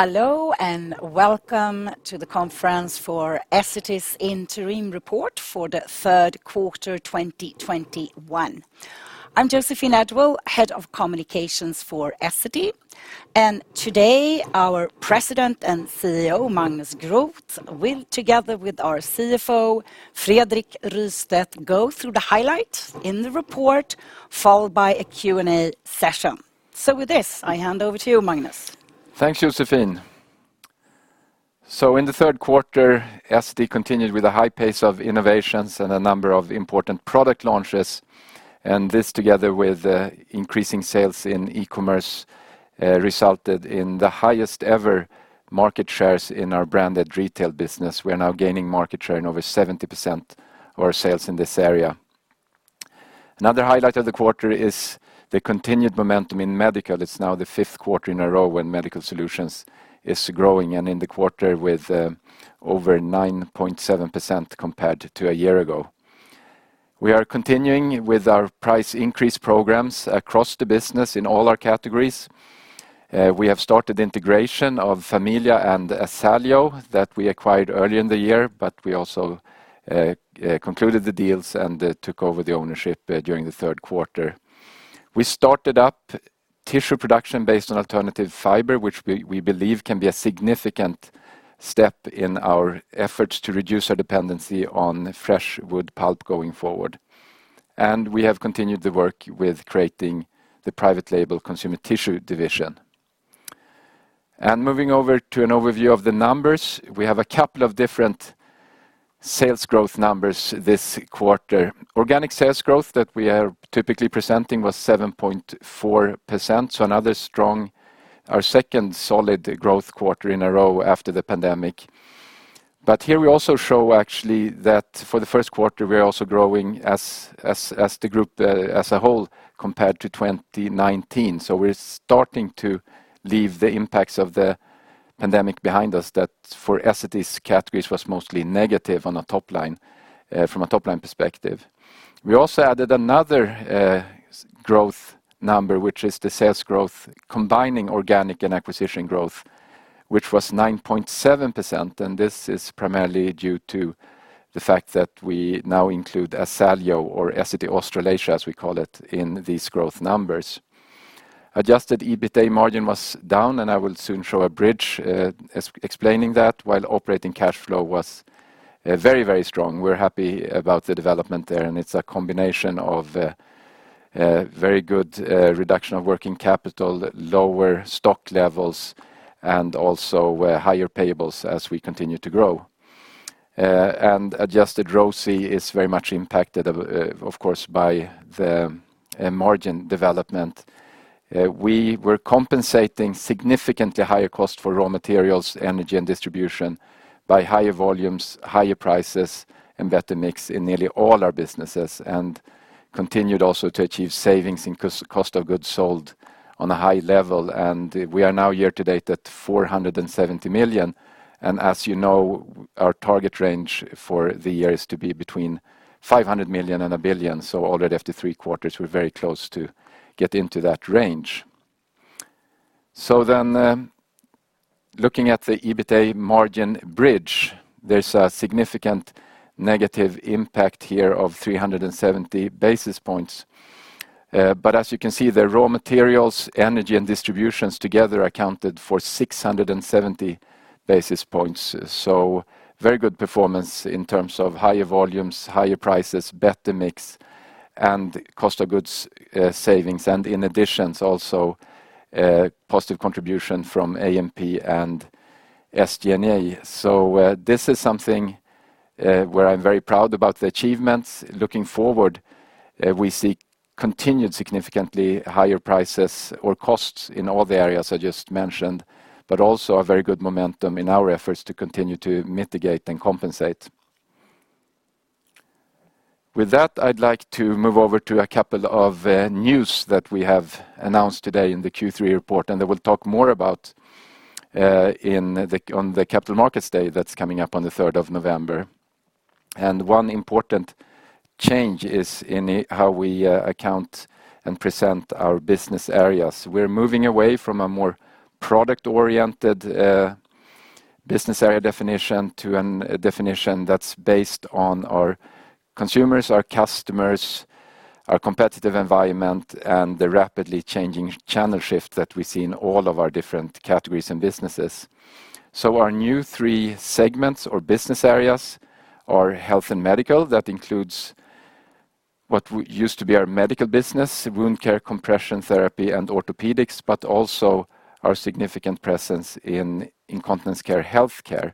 Hello, welcome to the conference for Essity's interim report for the third quarter 2021. I'm Joséphine Edwall, Head of Communications for Essity, today our President and CEO, Magnus Groth, will together with our CFO, Fredrik Rystedt, go through the highlights in the report, followed by a Q&A session. With this, I hand over to you, Magnus. Thanks, Joséphine. In the third quarter, Essity continued with a high pace of innovations and a number of important product launches, this together with increasing sales in e-commerce, resulted in the highest ever market shares in our branded retail business. We are now gaining market share in over 70% of our sales in this area. Another highlight of the quarter is the continued momentum in medical. It is now the fifth quarter in a row when Medical Solutions is growing, in the quarter with over 9.7% compared to a year ago. We are continuing with our price increase programs across the business in all our categories. We have started integration of Familia and Asaleo Care that we acquired earlier in the year, we also concluded the deals and took over the ownership during the third quarter. We started up tissue production based on alternative fiber, which we believe can be a significant step in our efforts to reduce our dependency on fresh wood pulp going forward. We have continued the work with creating the private label Consumer Tissue division. Moving over to an overview of the numbers, we have a couple of different sales growth numbers this quarter. Organic sales growth that we are typically presenting was 7.4%, so another strong, our second solid growth quarter in a row after the pandemic. Here we also show actually that for the first quarter, we are also growing as the group as a whole compared to 2019. We're starting to leave the impacts of the pandemic behind us that for Essity's categories was mostly negative from a top-line perspective. We also added another growth number, which is the sales growth combining organic and acquisition growth, which was 9.7%. This is primarily due to the fact that we now include Essity Australasia, as we call it, in these growth numbers. Adjusted EBITA margin was down, and I will soon show a bridge explaining that, while operating cash flow was very, very strong. We're happy about the development there, and it's a combination of very good reduction of working capital, lower stock levels, and also higher payables as we continue to grow. Adjusted ROCE is very much impacted, of course, by the margin development. We were compensating significantly higher cost for raw materials, energy, and distribution by higher volumes, higher prices, and better mix in nearly all our businesses, and continued also to achieve savings in cost of goods sold on a high level. We are now year-to-date at 470 million, as you know, our target range for the year is to be between 500 million and 1 billion. Already after three quarters, we're very close to get into that range. Looking at the EBITA margin bridge, there's a significant negative impact here of 370 basis points. As you can see, the raw materials, energy, and distributions together accounted for 670 basis points. Very good performance in terms of higher volumes, higher prices, better mix, and cost of goods savings, and in addition, also positive contribution from A&P and SG&A. This is something where I'm very proud about the achievements. Looking forward, we see continued significantly higher prices or costs in all the areas I just mentioned, but also a very good momentum in our efforts to continue to mitigate and compensate. With that, I would like to move over to a couple of news that we have announced today in the Q3 report, that we will talk more about on the Capital Markets Day that is coming up on the 3rd of November. One important change is in how we account and present our business areas. We are moving away from a more product-oriented business area definition to a definition that is based on our consumers, our customers, our competitive environment, and the rapidly changing channel shift that we see in all of our different categories and businesses. Our new 3 segments or business areas are Health and Medical. That includes what used to be our Medical business, Wound Care, compression therapy, and Orthopedics, but also our significant presence in incontinence care, healthcare.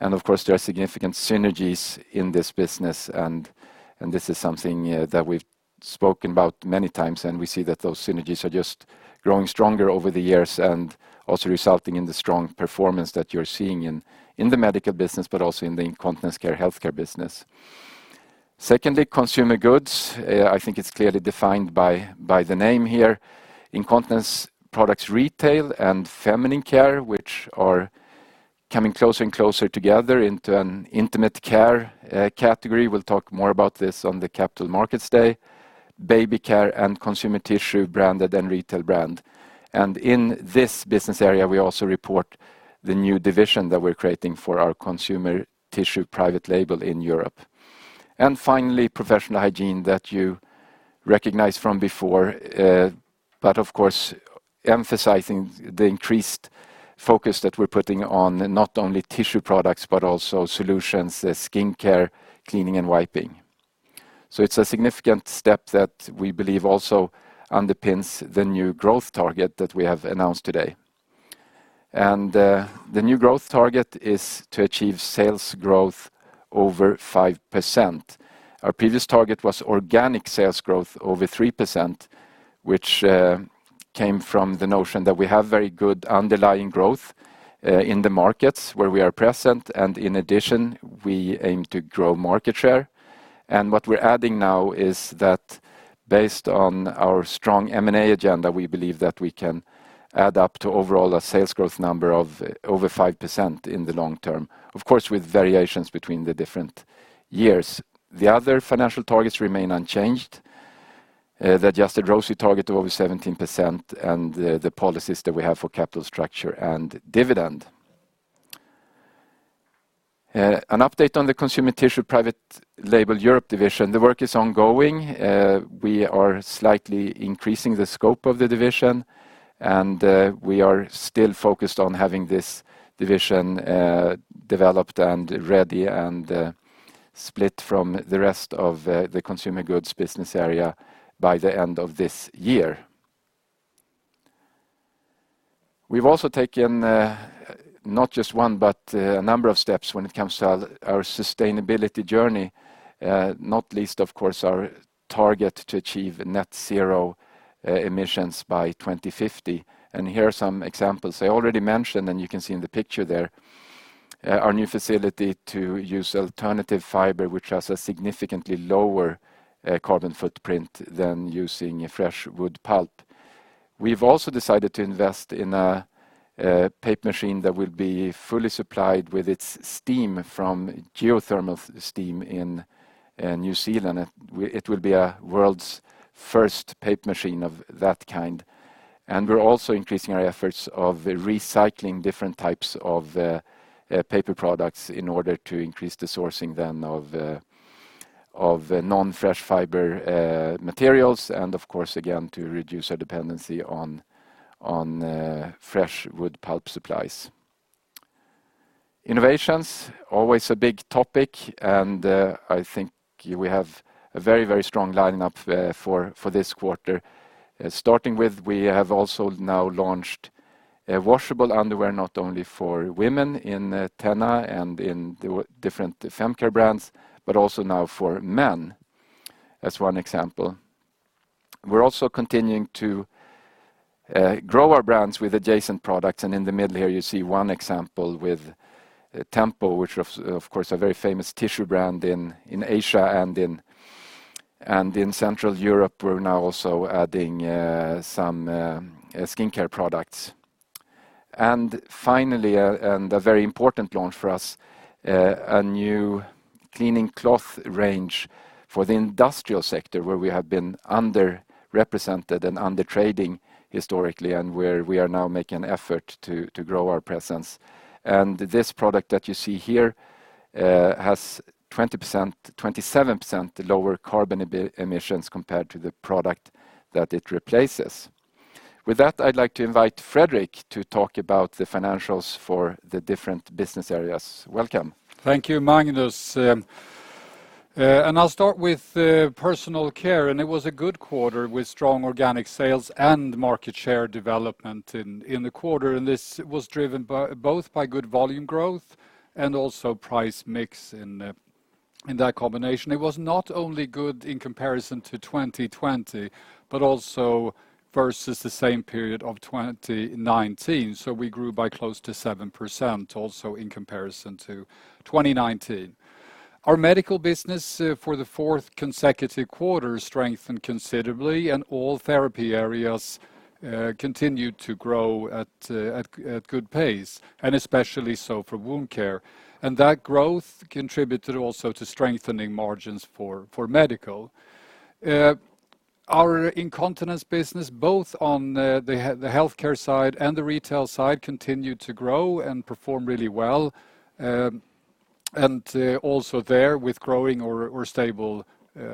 Of course, there are significant synergies in this business, and this is something that we've spoken about many times, and we see that those synergies are just growing stronger over the years and also resulting in the strong performance that you're seeing in the Medical business, but also in the Incontinence Care, healthcare business. Secondly, consumer goods. I think it's clearly defined by the name here. Incontinence products retail and feminine care, which are coming closer and closer together into an Intimate Care category. We'll talk more about this on the Capital Markets Day. Baby care and Consumer Tissue, branded and retail brand. In this business area, we also report the new division that we're creating for our Consumer Tissue Private Label Europe. Finally, professional hygiene that you recognize from before, but of course, emphasizing the increased focus that we're putting on not only tissue products, but also solutions, skincare, cleaning, and wiping. It's a significant step that we believe also underpins the new growth target that we have announced today. The new growth target is to achieve sales growth over 5%. Our previous target was organic sales growth over 3%, which came from the notion that we have very good underlying growth in the markets where we are present, and in addition, we aim to grow market share. What we're adding now is that based on our strong M&A agenda, we believe that we can add up to overall a sales growth number of over 5% in the long term, of course, with variations between the different years. The other financial targets remain unchanged. The adjusted ROACE target of over 17% and the policies that we have for capital structure and dividend. An update on the Consumer Tissue Private Label Europe division. The work is ongoing. We are slightly increasing the scope of the division, and we are still focused on having this division developed and ready and split from the rest of the consumer goods business area by the end of this year. We've also taken not just one, but a number of steps when it comes to our sustainability journey, not least, of course, our target to achieve net zero emissions by 2050. Here are some examples. I already mentioned, and you can see in the picture there, our new facility to use alternative fiber, which has a significantly lower carbon footprint than using fresh wood pulp. We've also decided to invest in a paper machine that will be fully supplied with its steam from geothermal steam in New Zealand. It will be the world's first paper machine of that kind. We're also increasing our efforts of recycling different types of paper products in order to increase the sourcing then of non-fresh fiber materials, and of course, again, to reduce our dependency on fresh wood pulp supplies. Innovations, always a big topic, and I think we have a very strong lineup for this quarter. Starting with, we have also now launched washable underwear, not only for women in TENA and in different femcare brands, but also now for men, as one example. We're also continuing to grow our brands with adjacent products. In the middle here, you see one example with Tempo, which of course, a very famous tissue brand in Asia and in Central Europe. We're now also adding some skincare products. Finally, and a very important launch for us, a new cleaning cloth range for the industrial sector where we have been underrepresented and undertrading historically, and where we are now making an effort to grow our presence. This product that you see here has 27% lower carbon emissions compared to the product that it replaces. With that, I'd like to invite Fredrik to talk about the financials for the different business areas. Welcome. Thank you, Magnus. I'll start personal care. it was a good quarter with strong organic sales and market share development in the quarter. This was driven both by good volume growth and also price mix in that combination. It was not only good in comparison to 2020, but also versus the same period of 2019. We grew by close to 7%, also in comparison to 2019. Our medical business for the fourth consecutive quarter strengthened considerably. All therapy areas continued to grow at good pace, especially so for Wound Care. That growth contributed also to strengthening margins for Medical. Our incontinence business, both on the healthcare side and the retail side, continued to grow and perform really well, also there with growing or stable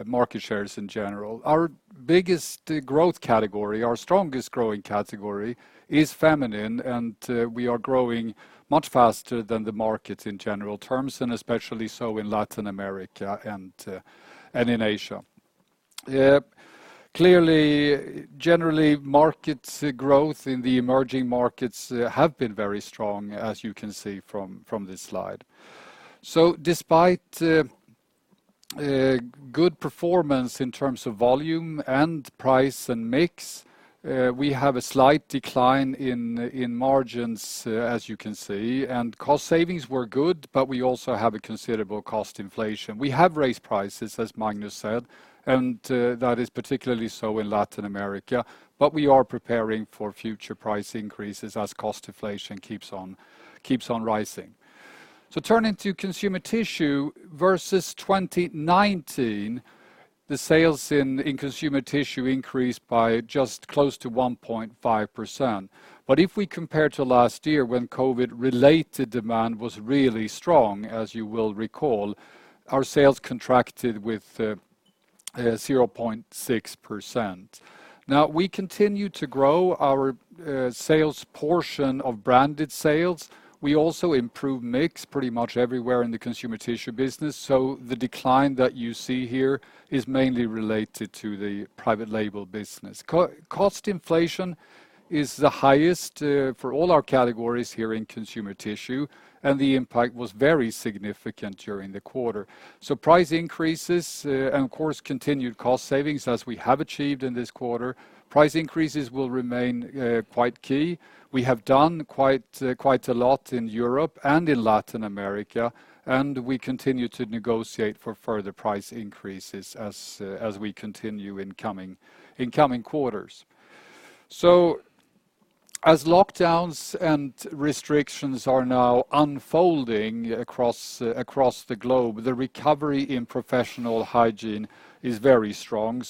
market shares in general. Our biggest growth category, our strongest growing category is Feminine, and we are growing much faster than the market in general terms, and especially so in Latin America and in Asia. Generally, markets growth in the emerging markets have been very strong, as you can see from this slide. Despite good performance in terms of volume and price and mix, we have a slight decline in margins, as you can see. Cost savings were good, but we also have a considerable cost inflation. We have raised prices, as Magnus said, and that is particularly so in Latin America. We are preparing for future price increases as cost inflation keeps on rising. Turning to Consumer Tissue versus 2019, the sales in Consumer Tissue increased by just close to 1.5%. If we compare to last year when COVID-related demand was really strong, as you will recall, our sales contracted with 0.6%. We continue to grow our sales portion of branded sales. We also improve mix pretty much everywhere in the Consumer Tissue business. The decline that you see here is mainly related to the private label business. Cost inflation is the highest for all our categories here in Consumer Tissue, and the impact was very significant during the quarter. Price increases, and of course, continued cost savings as we have achieved in this quarter, will remain quite key. We have done quite a lot in Europe and in Latin America, and we continue to negotiate for further price increases as we continue in coming quarters. As lockdowns and restrictions are now unfolding across the globe, the recovery in professional hygiene is very strong.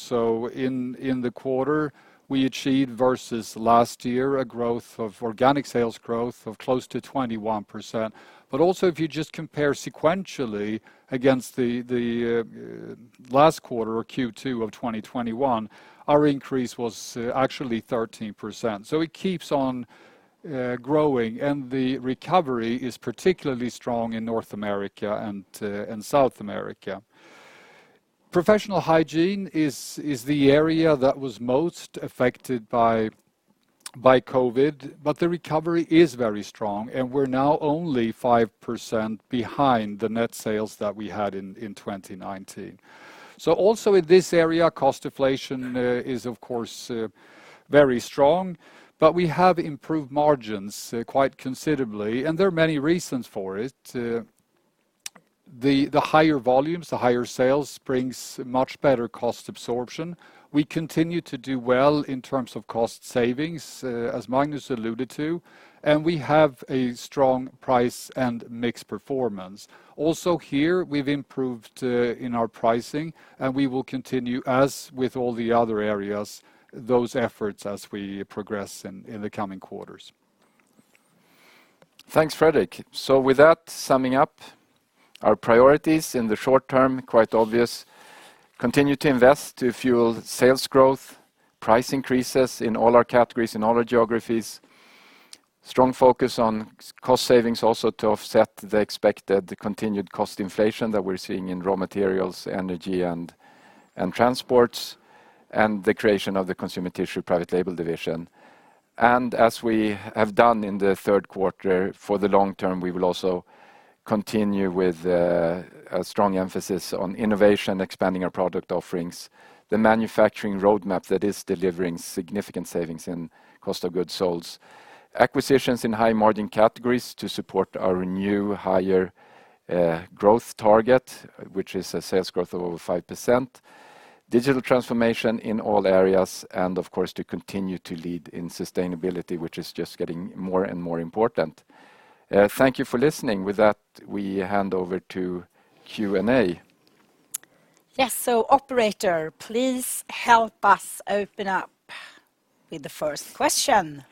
In the quarter, we achieved versus last year, a growth of organic sales growth of close to 21%. Also if you just compare sequentially against the last quarter or Q2 of 2021, our increase was actually 13%. It keeps on growing, and the recovery is particularly strong in North America and South America. Professional hygiene is the area that was most affected by COVID, but the recovery is very strong, and we're now only 5% behind the net sales that we had in 2019. Also in this area, cost inflation is of course very strong, but we have improved margins quite considerably, and there are many reasons for it. The higher volumes, the higher sales brings much better cost absorption. We continue to do well in terms of cost savings, as Magnus alluded to, and we have a strong price and mix performance. Also here, we've improved in our pricing, and we will continue, as with all the other areas, those efforts as we progress in the coming quarters. Thanks, Fredrik. With that, summing up our priorities in the short term, quite obvious. Continue to invest to fuel sales growth, price increases in all our categories, in all our geographies. Strong focus on cost savings also to offset the expected continued cost inflation that we're seeing in raw materials, energy and transports, and the creation of the Consumer Tissue Private Label division. As we have done in the third quarter, for the long term, we will also continue with a strong emphasis on innovation, expanding our product offerings. The manufacturing roadmap that is delivering significant savings in cost of goods sold. Acquisitions in high-margin categories to support our new higher growth target, which is a sales growth of over 5%. Digital transformation in all areas, and of course, to continue to lead in sustainability, which is just getting more and more important. Thank you for listening. With that, we hand over to Q&A. Yes. Operator, please help us open up with the first question.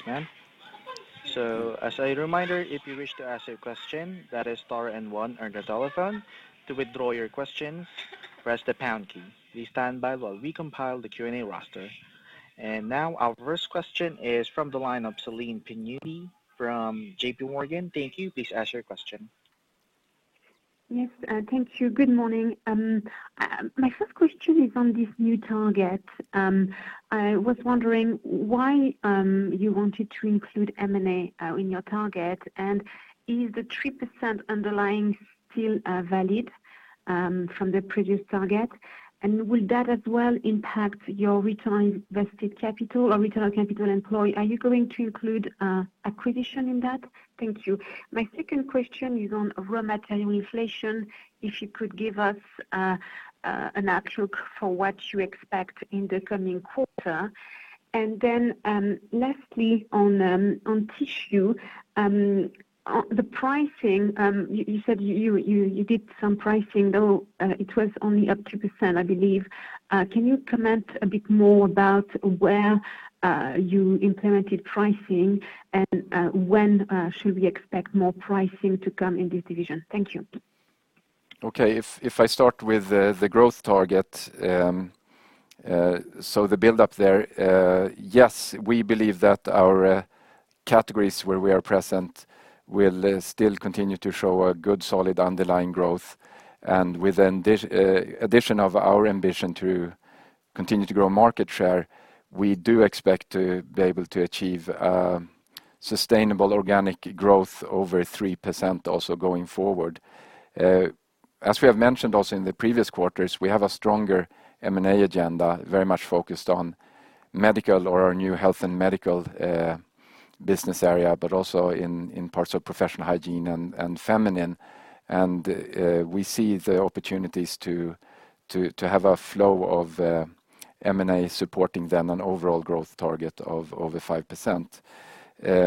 Yes, ma'am. Please stand by while we compile the Q&A roster. Now our first question is from the line of Celine Pannuti from JPMorgan. Thank you. Please ask your question. Yes. Thank you. Good morning. My first question is on this new target. I was wondering why you wanted to include M&A in your target, and is the 3% underlying still valid from the previous target? Will that as well impact your return on invested capital or return on capital employed? Are you going to include acquisition in that? Thank you. My second question is on raw material inflation. If you could give us an outlook for what you expect in the coming quarter. Lastly on Consumer Tissue, the pricing, you said you did some pricing, though it was only up 2%, I believe. Can you comment a bit more about where you implemented pricing and when should we expect more pricing to come in this division? Thank you. Okay. If I start with the growth target, the build up there, yes, we believe that our categories where we are present will still continue to show a good solid underlying growth. With addition of our ambition to continue to grow market share, we do expect to be able to achieve sustainable organic growth over 3% also going forward. As we have mentioned also in the previous quarters, we have a stronger M&A agenda, very much focused on medical or our new health and medical business area, but also in parts of professional hygiene and Feminine. We see the opportunities to have a flow of M&A supporting then an overall growth target of over 5%. The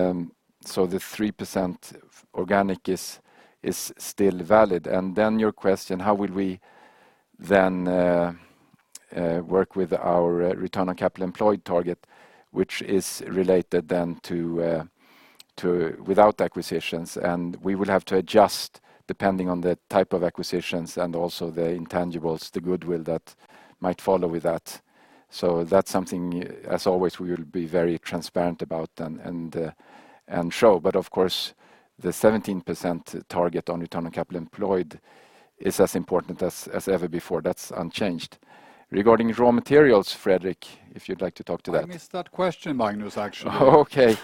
3% organic is still valid. Your question, how will we then work with our Return on Capital Employed target, which is related then to without acquisitions, and we will have to adjust depending on the type of acquisitions and also the intangibles, the goodwill that might follow with that. That's something, as always, we will be very transparent about and show. Of course, the 17% target on Return on Capital Employed is as important as ever before. That's unchanged. Regarding raw materials, Fredrik, if you'd like to talk to that. I missed that question, Magnus, actually. Okay.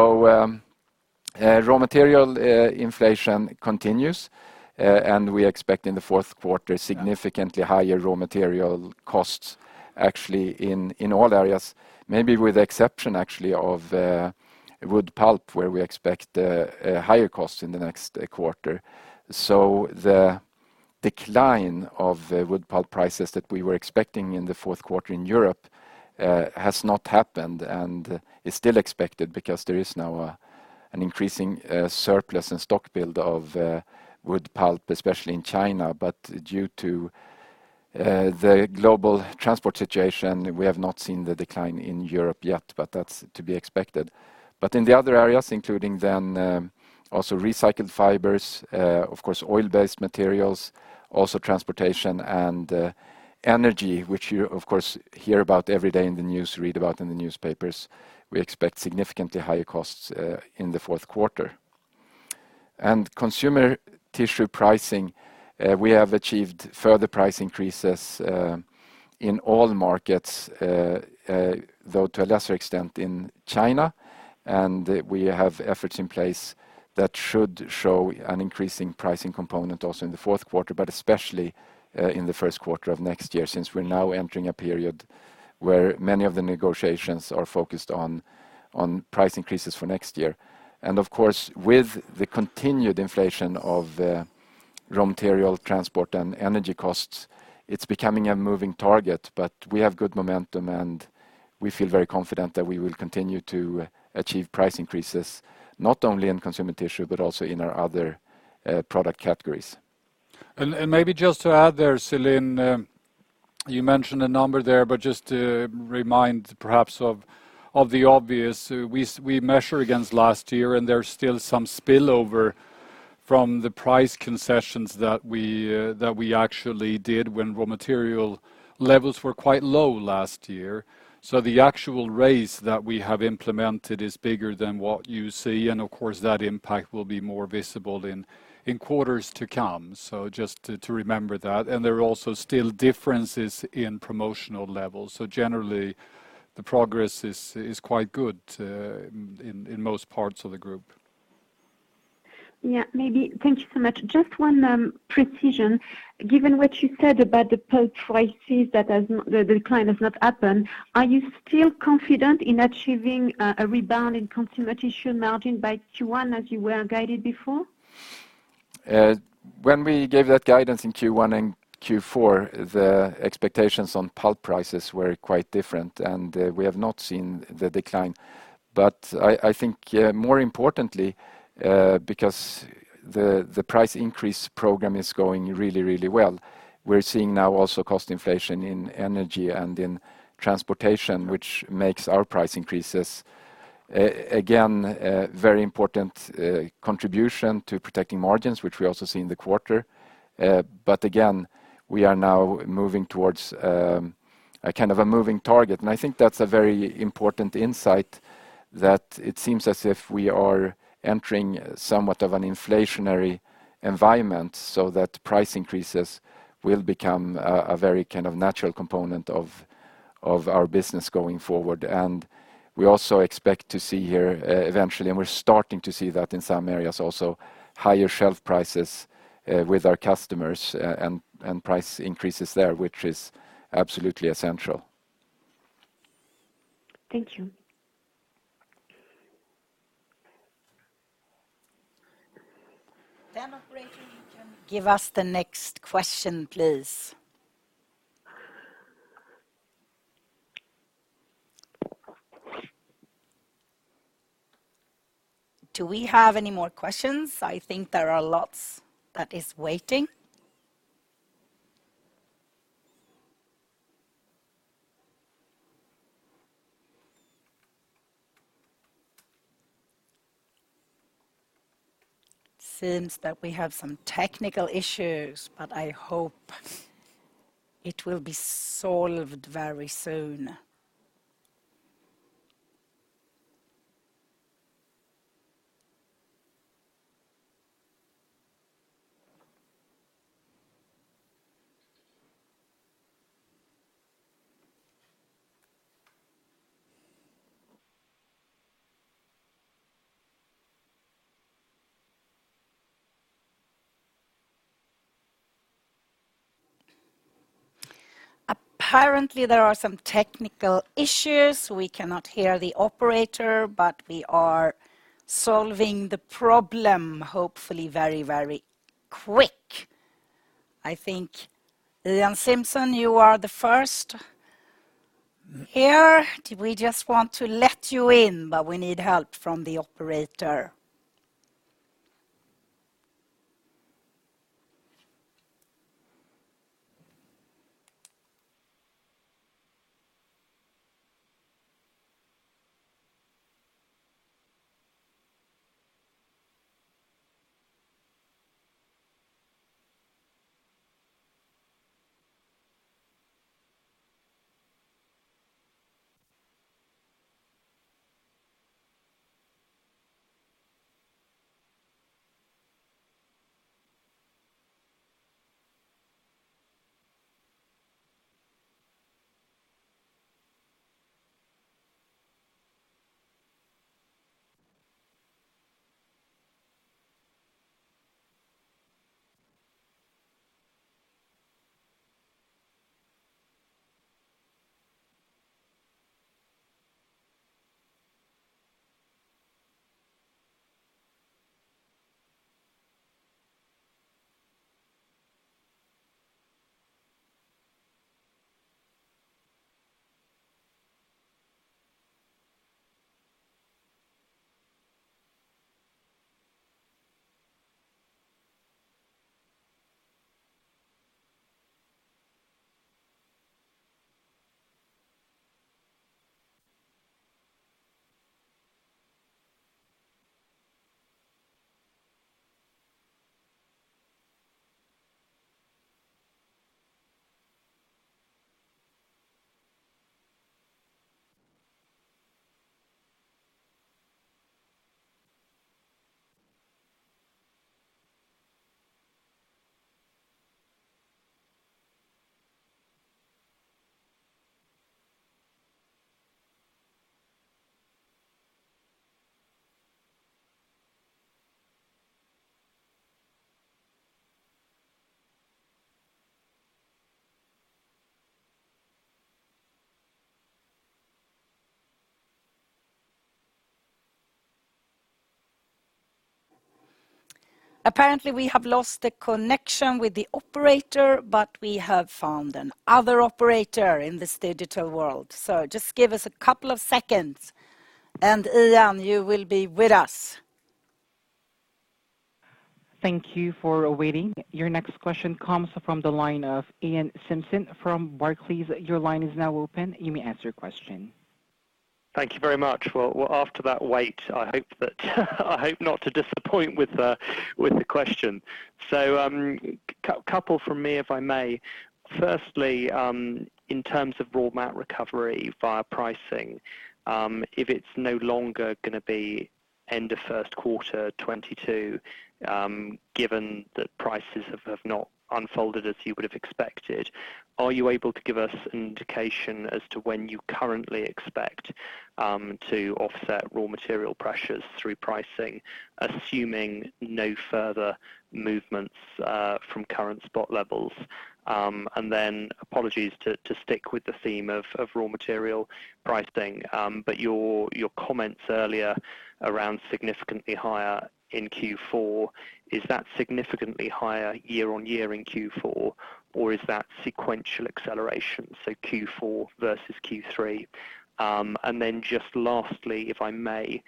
Raw material inflation continues, and we expect in the fourth quarter, significantly higher raw material costs actually in all areas. Maybe with the exception, actually, of wood pulp, where we expect higher costs in the next quarter. The decline of wood pulp prices that we were expecting in the fourth quarter in Europe has not happened, and is still expected because there is now an increasing surplus and stock build of wood pulp, especially in China. Due to the global transport situation, we have not seen the decline in Europe yet, but that's to be expected. In the other areas, including then also recycled fibers, of course, oil-based materials, also transportation and energy, which you, of course, hear about every day in the news, read about in the newspapers, we expect significantly higher costs in the fourth quarter. Consumer Tissue pricing, we have achieved further price increases in all markets, though to a lesser extent in China. We have efforts in place that should show an increasing pricing component also in the fourth quarter, but especially in the first quarter of next year, since we're now entering a period where many of the negotiations are focused on price increases for next year. Of course, with the continued inflation of raw material, transport, and energy costs, it's becoming a moving target, but we have good momentum and we feel very confident that we will continue to achieve price increases, not only in Consumer Tissue, but also in our other product categories. Maybe just to add there, Celine, you mentioned a number there, but just to remind perhaps of the obvious, we measure against last year, and there's still some spillover from the price concessions that we actually did when raw material levels were quite low last year. The actual raise that we have implemented is bigger than what you see, and of course, that impact will be more visible in quarters to come. Just to remember that. There are also still differences in promotional levels. Generally, the progress is quite good in most parts of the group. Thank you so much. Just one precision. Given what you said about the pulp prices that the decline has not happened, are you still confident in achieving a rebound in Consumer Tissue margin by Q1 as you were guided before? When we gave that guidance in Q1 and Q4, the expectations on pulp prices were quite different, and we have not seen the decline. I think more importantly, because the price increase program is going really well, we're seeing now also cost inflation in energy and in transportation, which makes our price increases, again, very important contribution to protecting margins, which we also see in the quarter. Again, we are now moving towards a kind of a moving target. I think that's a very important insight that it seems as if we are entering somewhat of an inflationary environment, so that price increases will become a very kind of natural component of our business going forward. We also expect to see here, eventually, and we're starting to see that in some areas also, higher shelf prices with our customers, and price increases there, which is absolutely essential. Thank you. [Denson Renkinson], you can give us the next question, please. Do we have any more questions? I think there are lots that is waiting. Seems that we have some technical issues, but I hope it will be solved very soon. Apparently, there are some technical issues. We cannot hear the operator, but we are solving the problem, hopefully very, very quick. I think Iain Simpson, you are the first here. We just want to let you in, but we need help from the operator. Apparently, we have lost the connection with the operator, but we have found another operator in this digital world. Just give us a couple of seconds, and Iain, you will be with us. Thank you for waiting. Your next question comes from the line of Iain Simpson from Barclays. Thank you very much. Well, after that wait, I hope not to disappoint with the question. A couple from me, if I may. Firstly, in terms of raw mat recovery via pricing, if it is no longer going to be end of first quarter 2022, given that prices have not unfolded as you would have expected, are you able to give us an indication as to when you currently expect to offset raw material pressures through pricing, assuming no further movements from current spot levels? Apologies to stick with the theme of raw material pricing, but your comments earlier around significantly higher in Q4, is that significantly higher year-over-year in Q4, or is that sequential acceleration, so Q4 versus Q3? Just lastly, if I may,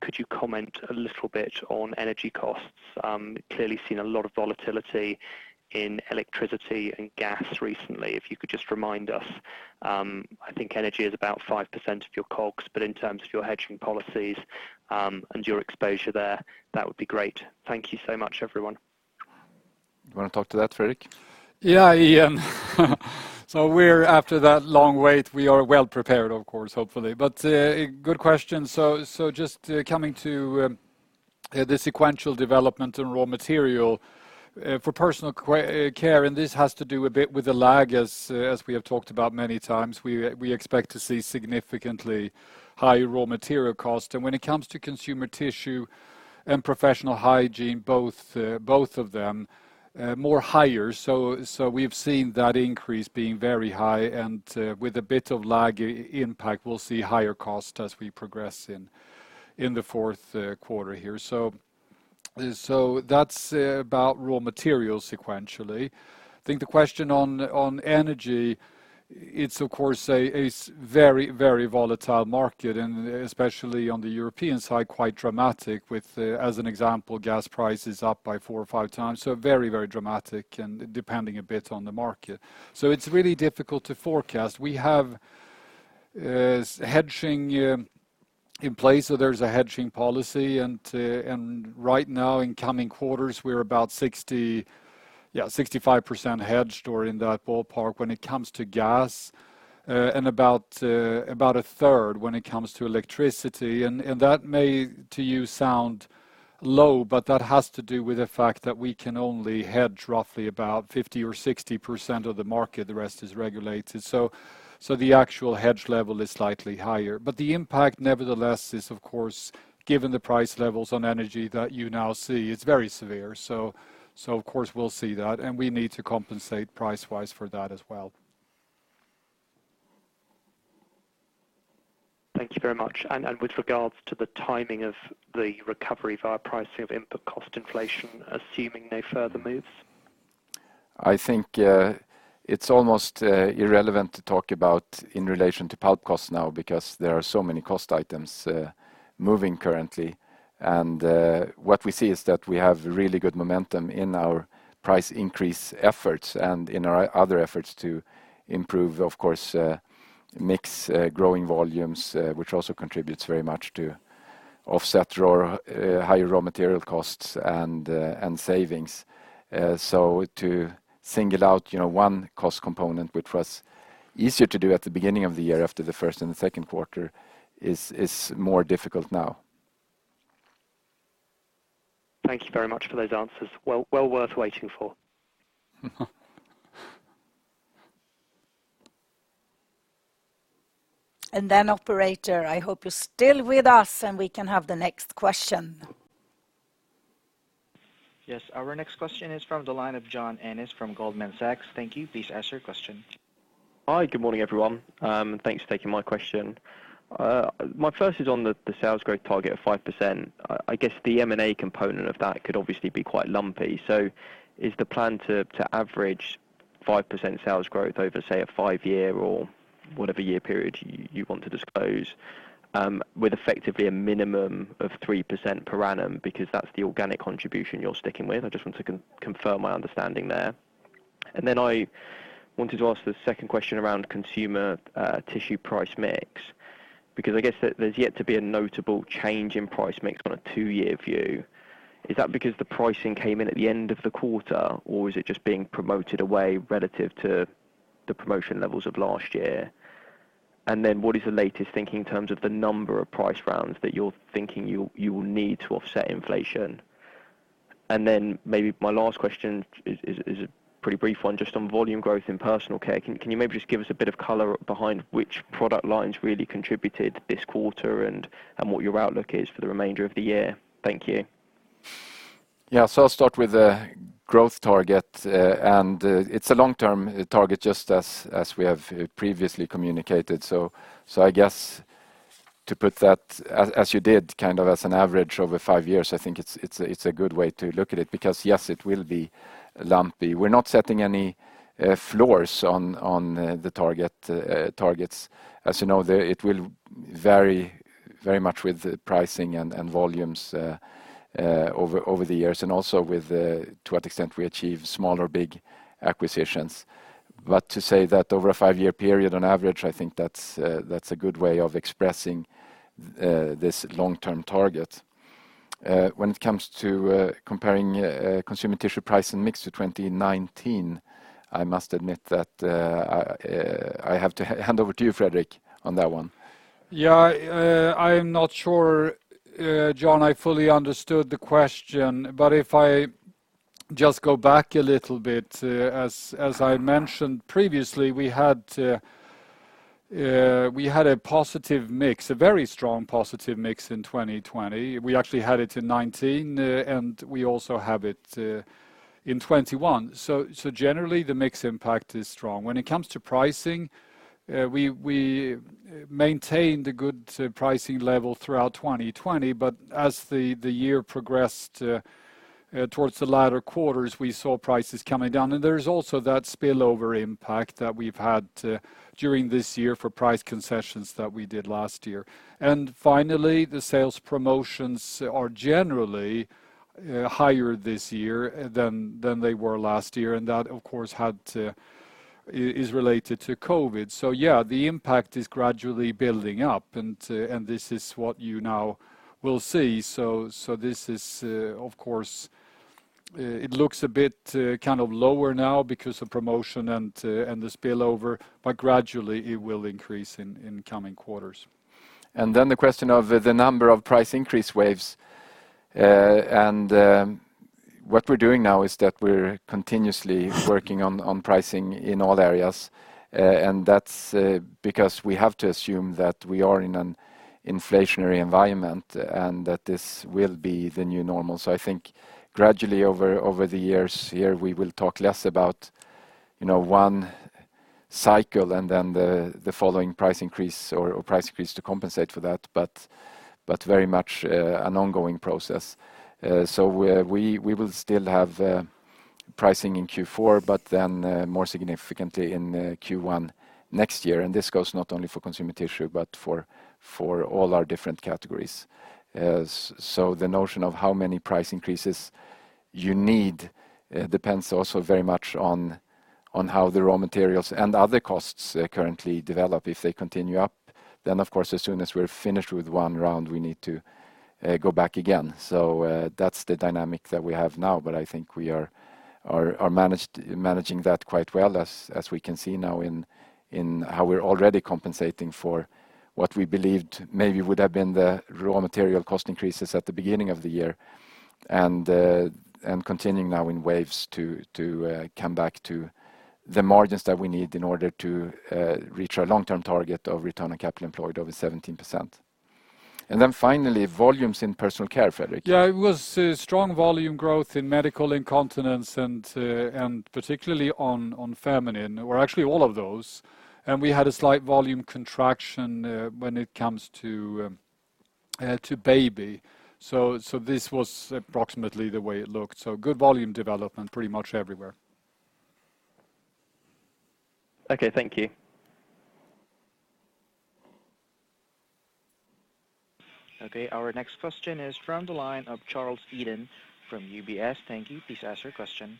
could you comment a little bit on energy costs? Clearly seen a lot of volatility in electricity and gas recently. If you could just remind us. I think energy is about 5% of your cogs. In terms of your hedging policies, and your exposure there, that would be great. Thank you so much, everyone. You want to talk to that, Fredrik? Yeah, Iain. After that long wait, we are well prepared of course, hopefully. Good question. Just coming to the sequential development in raw material personal care, and this has to do a bit with the lag as we have talked about many times. We expect to see significantly higher raw material cost. consumer tissue and professional hygiene, both of them more higher. We've seen that increase being very high and with a bit of lag impact, we'll see higher cost as we progress in the fourth quarter here. That's about raw materials sequentially. I think the question on energy, it's of course a very volatile market, and especially on the European side, quite dramatic with, as an example, gas prices up by 4x or 5x. Very dramatic and depending a bit on the market. It's really difficult to forecast. We have hedging in place, so there's a hedging policy, and right now in coming quarters, we're about 65% hedged or in that ballpark when it comes to gas, and about a third when it comes to electricity. That may to you sound low, but that has to do with the fact that we can only hedge roughly about 50% or 60% of the market. The rest is regulated. The actual hedge level is slightly higher. The impact nevertheless is of course, given the price levels on energy that you now see, it's very severe. Of course, we'll see that, and we need to compensate price-wise for that as well. Thank you very much. With regards to the timing of the recovery via pricing of input cost inflation, assuming no further moves? I think it's almost irrelevant to talk about in relation to pulp costs now because there are so many cost items moving currently. What we see is that we have really good momentum in our price increase efforts and in our other efforts to improve, of course, mix growing volumes, which also contributes very much to offset higher raw material costs and savings. To single out one cost component, which was easier to do at the beginning of the year after the first and second quarter, is more difficult now. Thank you very much for those answers. Well worth waiting for. Operator, I hope you're still with us, and we can have the next question. Yes. Our next question is from the line of John Ennis from Goldman Sachs. Thank you. Please ask your question. Hi. Good morning, everyone. Thanks for taking my question. My first is on the sales growth target of 5%. I guess the M&A component of that could obviously be quite lumpy. Is the plan to average 5% sales growth over, say, a five-year or whatever year period you want to disclose, with effectively a minimum of 3% per annum because that's the organic contribution you're sticking with? I just want to confirm my understanding there. I wanted to ask the second question around Consumer Tissue price mix, because I guess that there's yet to be a notable change in price mix on a two-year view. Is that because the pricing came in at the end of the quarter, or is it just being promoted away relative to the promotion levels of last year? Then what is the latest thinking in terms of the number of price rounds that you're thinking you will need to offset inflation? Then maybe my last question is a pretty brief one, just on volume growth personal care. can you maybe just give us a bit of color behind which product lines really contributed this quarter and what your outlook is for the remainder of the year? Thank you. Yeah. I'll start with the growth target, and it's a long-term target, just as we have previously communicated. I guess to put that as you did, kind of as an average over five years, I think it's a good way to look at it because, yes, it will be lumpy. We're not setting any floors on the targets. As you know, it will vary very much with pricing and volumes over the years and also with to what extent we achieve small or big acquisitions. To say that over a five-year period, on average, I think that's a good way of expressing this long-term target. When it comes to comparing Consumer Tissue price and mix to 2019, I must admit that I have to hand over to you, Fredrik, on that one. I'm not sure, John, I fully understood the question, but if I just go back a little bit. As I mentioned previously, we had a positive mix, a very strong positive mix in 2020. We actually had it in 2019, and we also have it in 2021. Generally, the mix impact is strong. When it comes to pricing, we maintained a good pricing level throughout 2020, but as the year progressed towards the latter quarters, we saw prices coming down. There's also that spillover impact that we've had during this year for price concessions that we did last year. Finally, the sales promotions are generally higher this year than they were last year, and that, of course, is related to COVID. The impact is gradually building up, and this is what you now will see. This is, of course, it looks a bit kind of lower now because of promotion and the spillover, but gradually it will increase in coming quarters. Then the question of the number of price increase waves. What we're doing now is that we're continuously working on pricing in all areas. That's because we have to assume that we are in an inflationary environment and that this will be the new normal. I think gradually over the years here, we will talk less about one cycle and then the following price increase or price increase to compensate for that, but very much an ongoing process. We will still have pricing in Q4, then more significantly in Q1 next year. This goes not only for Consumer Tissue but for all our different categories. The notion of how many price increases you need depends also very much on how the raw materials and other costs currently develop. If they continue up, of course, as soon as we're finished with one round, we need to go back again. That's the dynamic that we have now, but I think we are managing that quite well as we can see now in how we're already compensating for what we believed maybe would have been the raw material cost increases at the beginning of the year, continuing now in waves to come back to the margins that we need in order to reach our long-term target of Return on Capital Employed over 17%. Finally, volumes personal care, fredrik? Yeah, it was strong volume growth in medical incontinence and particularly on feminine, or actually all of those. We had a slight volume contraction when it comes to baby. This was approximately the way it looked. Good volume development pretty much everywhere. Okay, thank you. Okay, our next question is from the line of Charles Eden from UBS. Thank you. Please ask your question.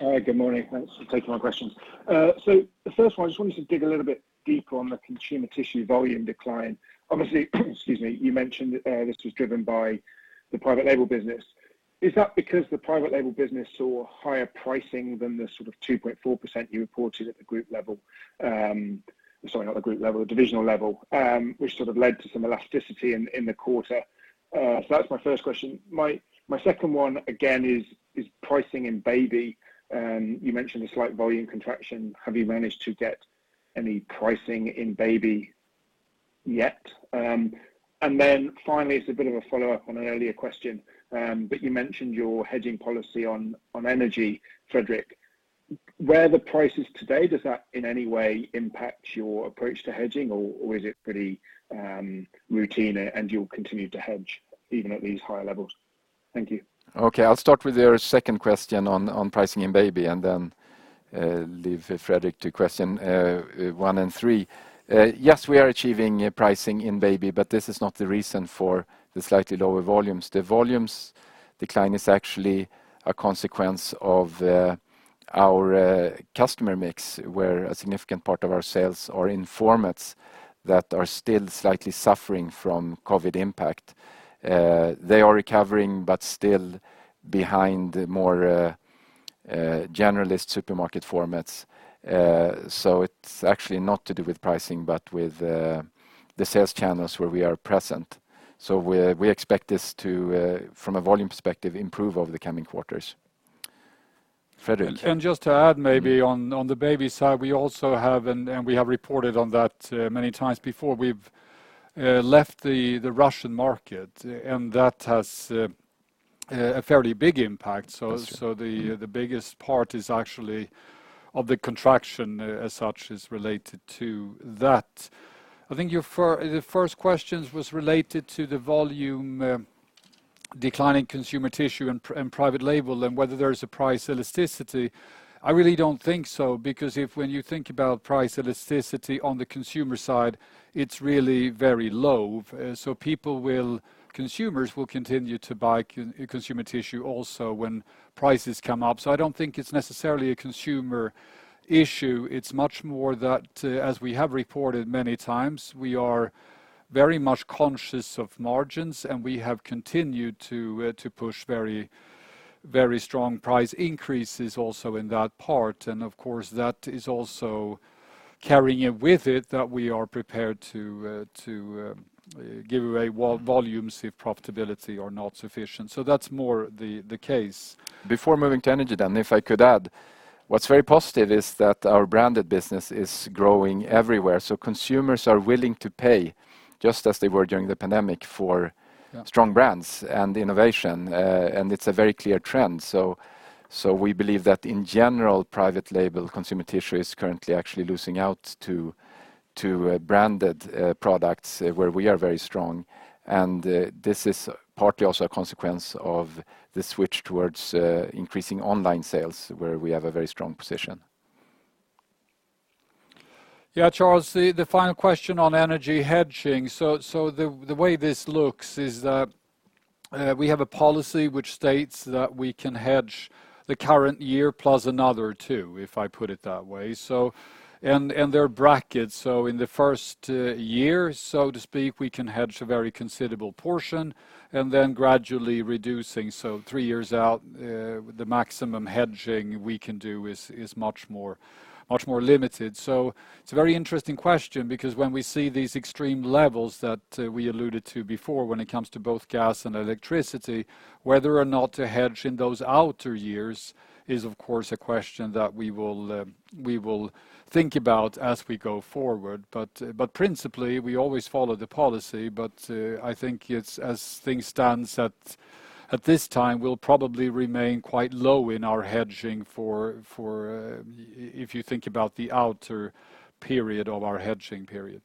Hi. Good morning. Thanks for taking my questions. The first one, I just wanted to dig a little bit deeper on the Consumer Tissue volume decline. Obviously, you mentioned this was driven by the private label business. Is that because the private label business saw higher pricing than the 2.4% you reported at the group level? Sorry, not the group level, the divisional level, which led to some elasticity in the quarter. That's my first question. My second one, again, is pricing in baby. You mentioned a slight volume contraction. Have you managed to get any pricing in baby yet? Finally, it's a bit of a follow-up on an earlier question. You mentioned your hedging policy on energy, Fredrik. Where are the prices today? Does that in any way impact your approach to hedging, or is it pretty routine and you'll continue to hedge even at these higher levels? Thank you. Okay. I'll start with your second question on pricing in baby and then leave Fredrik to question one and three. Yes, we are achieving pricing in baby. This is not the reason for the slightly lower volumes. The volumes decline is actually a consequence of our customer mix, where a significant part of our sales are in formats that are still slightly suffering from COVID impact. They are recovering, still behind more generalist supermarket formats. It's actually not to do with pricing, but with the sales channels where we are present. We expect this to, from a volume perspective, improve over the coming quarters. Fredrik? Just to add maybe on the baby side, we also have, and we have reported on that many times before, we've left the Russian market, and that has a fairly big impact. That's true. The biggest part is actually of the contraction as such is related to that. I think the first questions was related to the volume decline in Consumer Tissue and private label and whether there is a price elasticity. I really don't think so, because if when you think about price elasticity on the consumer side, it's really very low. Consumers will continue to buy Consumer Tissue also when prices come up. I don't think it's necessarily a consumer issue. It's much more that, as we have reported many times, we are very much conscious of margins, and we have continued to push very strong price increases also in that part. Of course, that is also carrying with it that we are prepared to give away volumes if profitability are not sufficient. That's more the case. Before moving to energy then, if I could add, what's very positive is that our branded business is growing everywhere. Consumers are willing to pay, just as they were during the pandemic. Yeah strong brands and innovation, it's a very clear trend. We believe that in general, private label Consumer Tissue is currently actually losing out to branded products where we are very strong. This is partly also a consequence of the switch towards increasing online sales, where we have a very strong position. Yeah, Charles, the final question on energy hedging. The way this looks is that we have a policy which states that we can hedge the current year plus another two, if I put it that way. There are brackets. In the first year, so to speak, we can hedge a very considerable portion, and then gradually reducing. Three years out, the maximum hedging we can do is much more limited. It's a very interesting question because when we see these extreme levels that we alluded to before, when it comes to both gas and electricity, whether or not to hedge in those outer years is, of course, a question that we will think about as we go forward. Principally, we always follow the policy, but I think it's as things stands at this time, we'll probably remain quite low in our hedging for if you think about the outer period of our hedging period.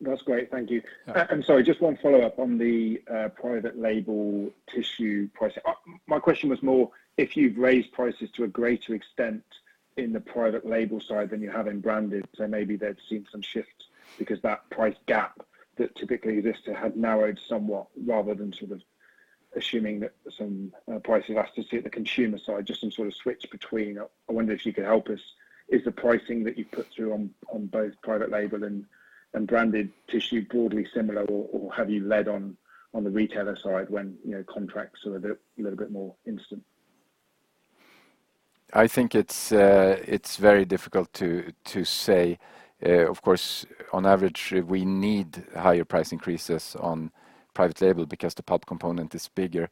That's great. Thank you. I'm sorry, just one follow-up on the private label tissue pricing. My question was more if you've raised prices to a greater extent in the private label side than you have in branded, so maybe they've seen some shifts because that price gap that typically Essity had narrowed somewhat rather than assuming that some price elasticity at the consumer side, just some sort of switch between. I wonder if you could help us. Is the pricing that you've put through on both private label and branded tissue broadly similar, or have you led on the retailer side when contracts are a little bit more instant? I think it's very difficult to say. Of course, on average, we need higher price increases on private label because the pulp component is bigger.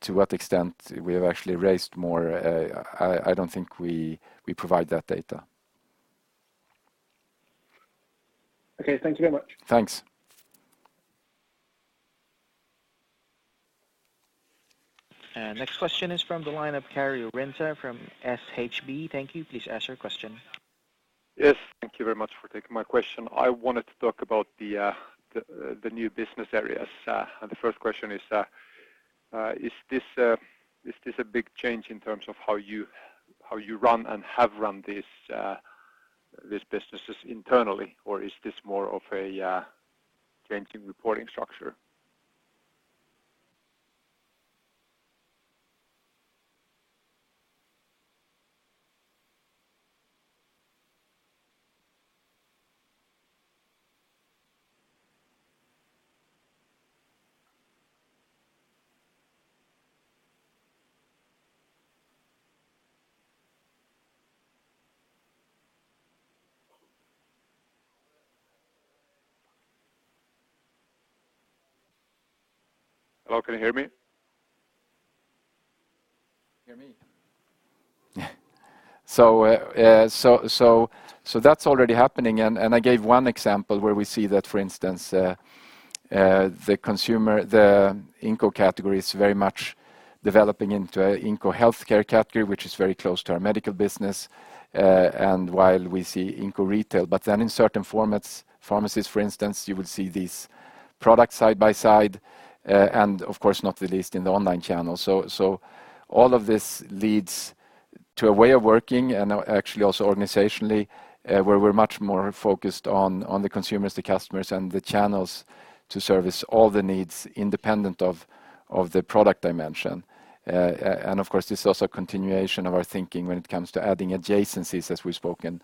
To what extent we have actually raised more, I don't think we provide that data. Okay. Thank you very much. Thanks Next question is from the line of Kalle Karppinen from SHB. Thank you. Yes, thank you very much for taking my question. I wanted to talk about the new business areas. The first question is: Is this a big change in terms of how you run and have run these businesses internally, or is this more of a change in reporting structure? Hello, can you hear me? Hear me. That's already happening, and I gave one example where we see that, for instance, the Inco category is very much developing into Inco healthcare category, which is very close to our medical business, and while we see Inco retail. In certain formats, pharmacies, for instance, you would see these products side by side, and of course, not the least in the online channel. All of this leads to a way of working, and actually also organizationally, where we're much more focused on the consumers, the customers, and the channels to service all the needs independent of the product dimension. Of course, this is also a continuation of our thinking when it comes to adding adjacencies, as we've spoken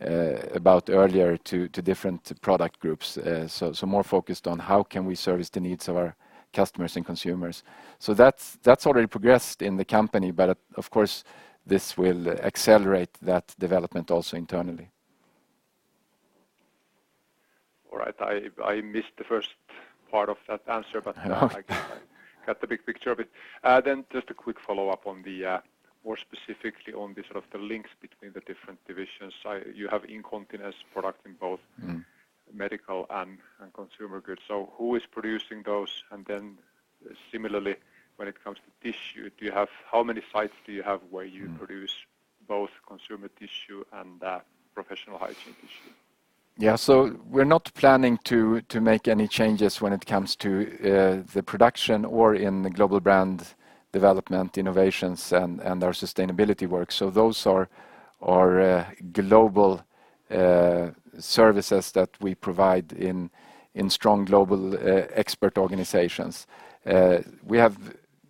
about earlier, to different product groups. More focused on how can we service the needs of our customers and consumers. That's already progressed in the company, but of course, this will accelerate that development also internally. All right. I missed the first part of that answer. I guess I got the big picture of it. Just a quick follow-up on the more specifically on the sort of the links between the different divisions. You have incontinence product in both medical and consumer goods. Who is producing those? Similarly, when it comes to tissue, how many sites do you have where produce both consumer tissue and professional hygiene tissue? Yeah. We are not planning to make any changes when it comes to the production or in the global brand development innovations and our sustainability work. Those are our global services that we provide in strong global expert organizations. We have,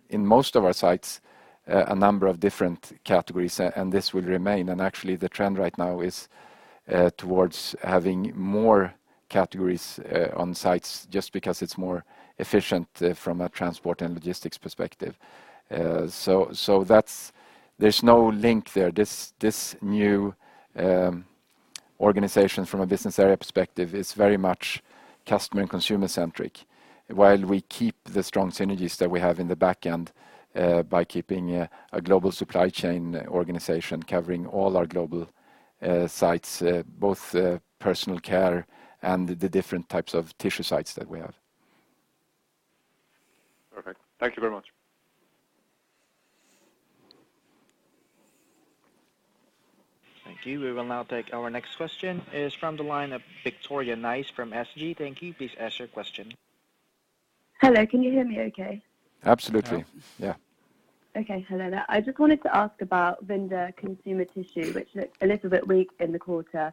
in most of our sites, a number of different categories, and this will remain. Actually, the trend right now is towards having more categories on sites just because it is more efficient from a transport and logistics perspective. There is no link there. This new organization, from a business area perspective, is very much customer and consumer-centric, while we keep the strong synergies that we have in the back end by keeping a global supply chain organization covering all our global sites, personal care and the different types of tissue sites that we have. Perfect. Thank you very much. Thank you. We will now take our next question. It is from the line of Victoria Nice from SG. Thank you. Please ask your question. Hello, can you hear me okay? Absolutely. Yes. Yeah. Okay. Hello there. I just wanted to ask about Vinda Consumer Tissue, which looked a little bit weak in the quarter,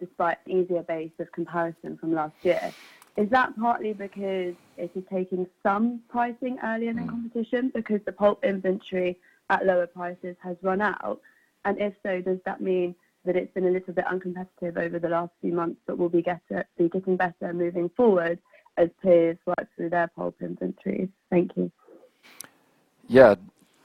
despite easier base of comparison from last year. Is that partly because it is taking some pricing earlier than competition because the pulp inventory at lower prices has run out? If so, does that mean that it's been a little bit uncompetitive over the last few months, but will be getting better moving forward as peers work through their pulp inventories? Thank you. Yeah.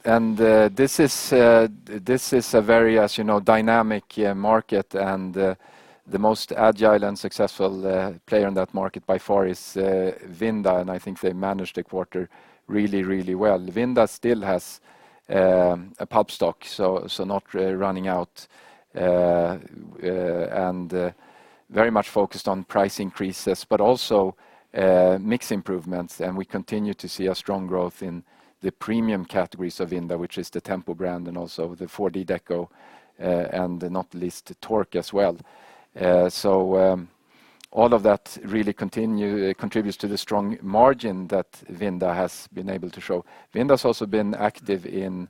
This is a very, as you know, dynamic market, and the most agile and successful player in that market by far is Vinda, and I think they managed the quarter really, really well. Vinda still has a pulp stock, so not running out, and very much focused on price increases, but also mix improvements. We continue to see a strong growth in the premium categories of Vinda, which is the Tempo brand and also the 4D Deco, and not least Tork as well. All of that really contributes to the strong margin that Vinda has been able to show. Vinda has also been active in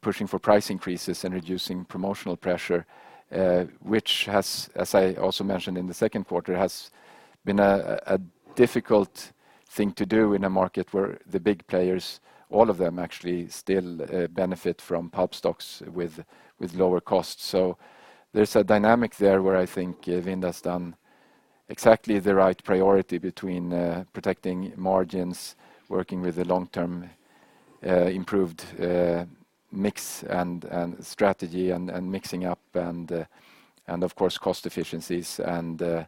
pushing for price increases and reducing promotional pressure, which has, as I also mentioned in the second quarter, has been a difficult thing to do in a market where the big players, all of them actually, still benefit from pulp stocks with lower costs. There's a dynamic there where I think Vinda's done exactly the right priority between protecting margins, working with the long-term improved mix and strategy and mixing up and of course, cost efficiencies and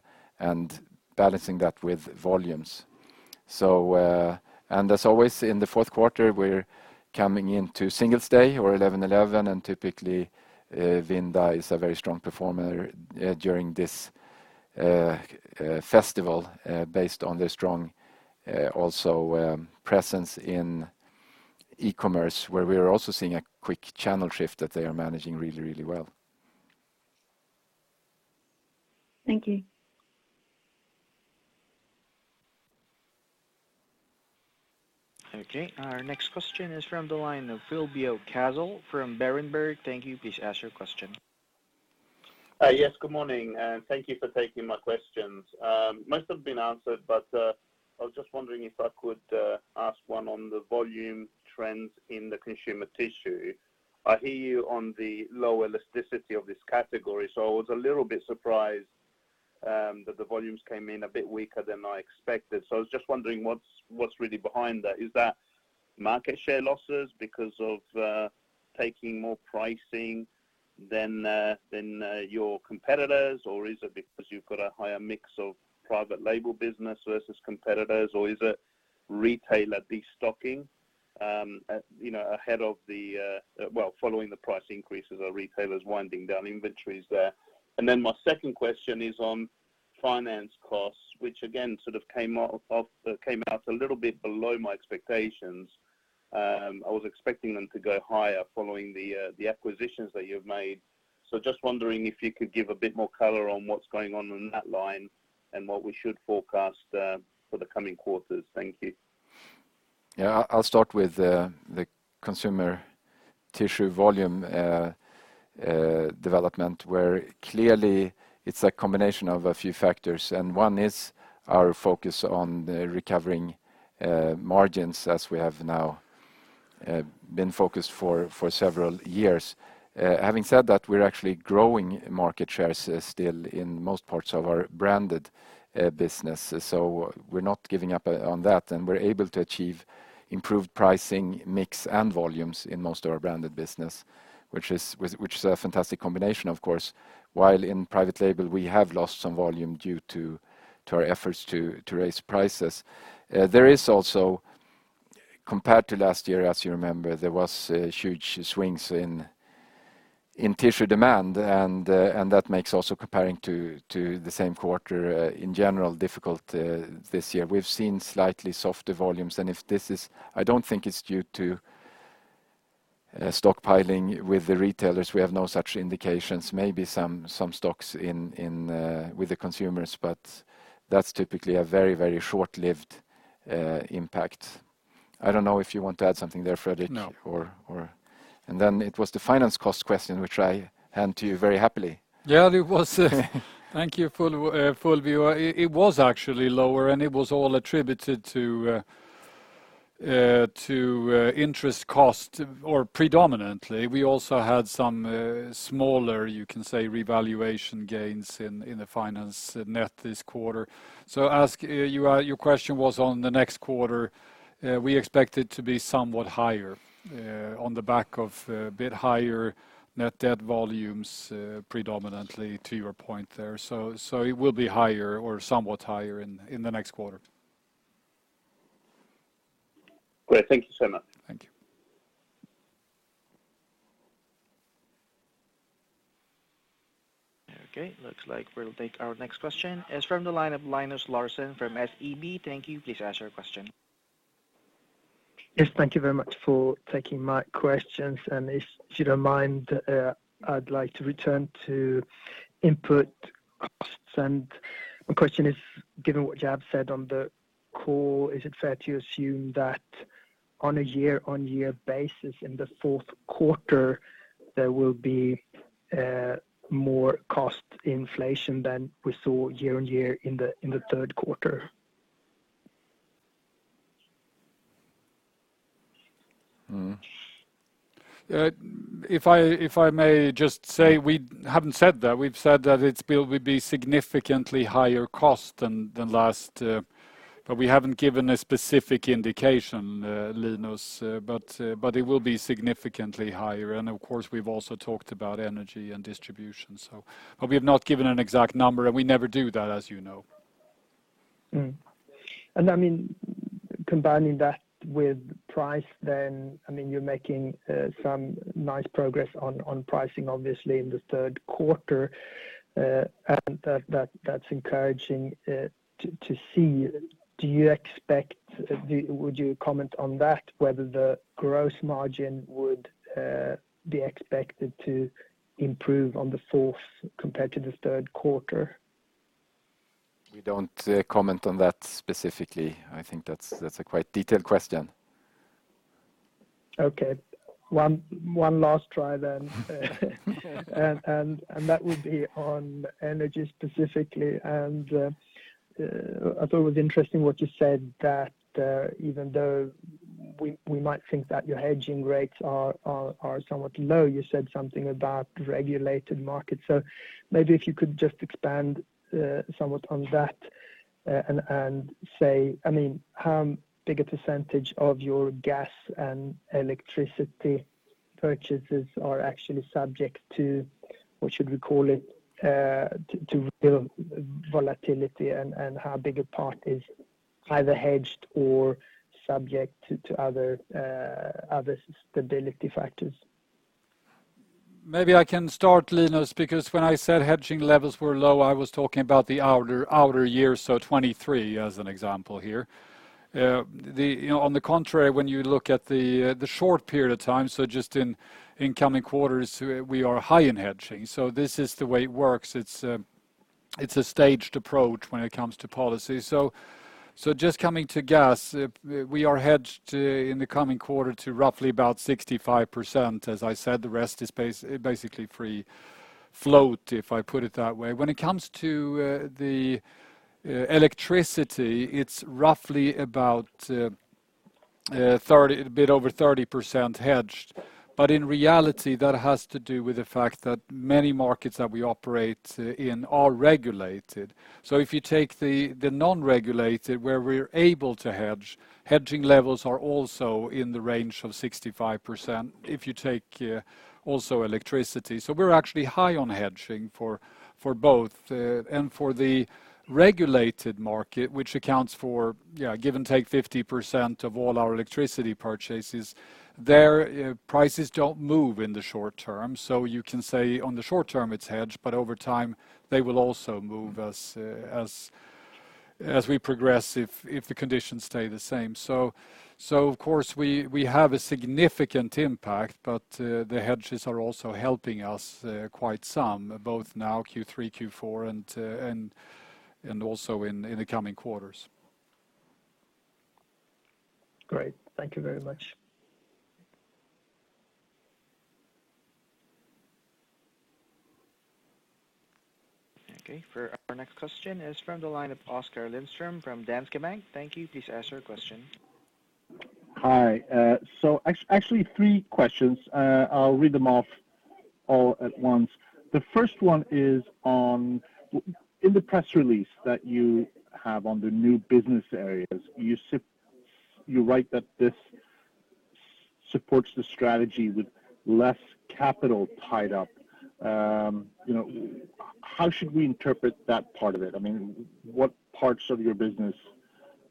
balancing that with volumes. As always, in the fourth quarter, we're coming into Singles' Day or 11.11, and typically, Vinda is a very strong performer during this Festival based on their strong presence in e-commerce, where we are also seeing a quick channel shift that they are managing really well. Thank you. Okay. Our next question is from the line of Fulvio Cazzol from Berenberg. Thank you. Please ask your question. Yes, good morning, and thank you for taking my questions. Most have been answered, but I was just wondering if I could ask one on the volume trends in the Consumer Tissue. I hear you on the low elasticity of this category, so I was a little bit surprised that the volumes came in a bit weaker than I expected. I was just wondering what's really behind that? Is that market share losses because of taking more pricing than your competitors, or is it because you've got a higher mix of private label business versus competitors, or is it retailer destocking following the price increases? Are retailers winding down inventories there? My second question is on finance costs, which again came out a little bit below my expectations. I was expecting them to go higher following the acquisitions that you've made. Just wondering if you could give a bit more color on what's going on in that line and what we should forecast for the coming quarters. Thank you. I'll start with the Consumer Tissue volume development, where clearly it's a combination of a few factors, and one is our focus on the recovering margins as we have now been focused for several years. Having said that, we're actually growing market shares still in most parts of our branded business. We're not giving up on that, and we're able to achieve improved pricing, mix, and volumes in most of our branded business, which is a fantastic combination, of course. While in private label, we have lost some volume due to our efforts to raise prices. There is also, compared to last year, as you remember, there was huge swings in tissue demand, and that makes also comparing to the same quarter in general difficult this year. We've seen slightly softer volumes, and I don't think it's due to stockpiling with the retailers. We have no such indications. Maybe some stocks with the consumers, but that's typically a very short-lived impact. I don't know if you want to add something there, Fredrik? No. It was the finance cost question, which I hand to you very happily. Thank you, Fulvio. It was actually lower, and it was all attributed to interest cost predominantly. We also had some smaller, you can say, revaluation gains in the finance net this quarter. Your question was on the next quarter. We expect it to be somewhat higher on the back of a bit higher net debt volumes predominantly to your point there. It will be higher or somewhat higher in the next quarter. Great. Thank you so much. Thank you. Okay, looks like we'll take our next question. It is from the line of Linus Larsson from SEB. Thank you. Please ask your question. Yes, thank you very much for taking my questions, and if you don't mind, I'd like to return to input costs. My question is, given what you have said on the call, is it fair to assume that on a year-on-year basis in the fourth quarter, there will be more cost inflation than we saw year-on-year in the third quarter? If I may just say, we haven't said that. We've said that it will be significantly higher cost than last, but we haven't given a specific indication, Linus. It will be significantly higher, and of course, we've also talked about energy and distribution. We have not given an exact number, and we never do that, as you know. Combining that with price then, you're making some nice progress on pricing, obviously, in the third quarter. That's encouraging to see. Would you comment on that, whether the gross margin would be expected to improve on the fourth compared to the third quarter? We don't comment on that specifically. I think that's a quite detailed question. Okay. One last try then. That would be on energy specifically. I thought it was interesting what you said that even though we might think that your hedging rates are somewhat low, you said something about regulated markets. Maybe if you could just expand somewhat on that and say how big a % of your gas and electricity purchases are actually subject to, what should we call it? To volatility and how big a part is either hedged or subject to other stability factors? Maybe I can start, Linus, because when I said hedging levels were low, I was talking about the outer years, so 2023 as an example here. On the contrary, when you look at the short period of time, just in coming quarters, we are high in hedging. This is the way it works. It's a staged approach when it comes to policy. Just coming to gas, we are hedged in the coming quarter to roughly about 65%. As I said, the rest is basically free float, if I put it that way. When it comes to the electricity, it's roughly about a bit over 30% hedged. In reality, that has to do with the fact that many markets that we operate in are regulated. If you take the non-regulated, where we're able to hedge, hedging levels are also in the range of 65%, if you take also electricity. We're actually high on hedging for both. For the regulated market, which accounts for give and take 50% of all our electricity purchases, their prices don't move in the short term. You can say on the short term it's hedged, but over time, they will also move as we progress, if the conditions stay the same. Of course, we have a significant impact, but the hedges are also helping us quite some, both now Q3, Q4, and also in the coming quarters. Great. Thank you very much. Okay. Our next question is from the line of Oskar Lindström from Danske Bank. Thank you. Please ask your question. Hi. Actually three questions. I'll read them off all at once. The first one is on, in the press release that you have on the new business areas, you write that this supports the strategy with less capital tied up. How should we interpret that part of it? What parts of your business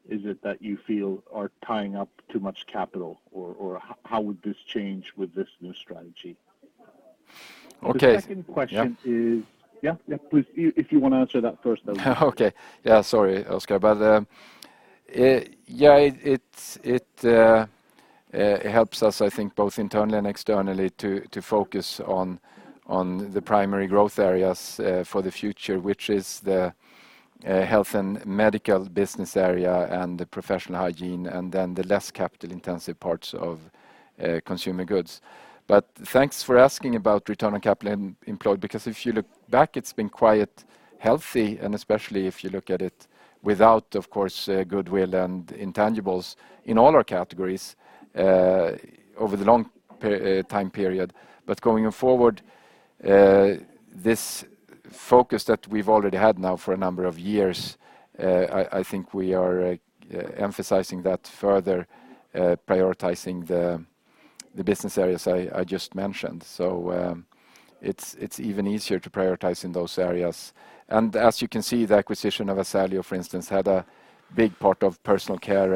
is it that you feel are tying up too much capital? How would this change with this new strategy? Okay. The second question is. Yeah? Yeah. Please, if you want to answer that first, that would be great. Okay. Yeah, sorry, Oskar. Yeah, it helps us, I think both internally and externally to focus on the primary growth areas for the future, which is the Medical Solutions business area and the professional hygiene, and then the less capital-intensive parts of consumer goods. Thanks for asking about return on capital employed, because if you look back, it's been quite healthy, and especially if you look at it without, of course, goodwill and intangibles in all our categories over the long time period. Going forward, this focus that we've already had now for a number of years, I think we are emphasizing that further, prioritizing the business areas I just mentioned. It's even easier to prioritize in those areas. As you can see, the acquisition of Asaleo Care, for instance, had a big part personal care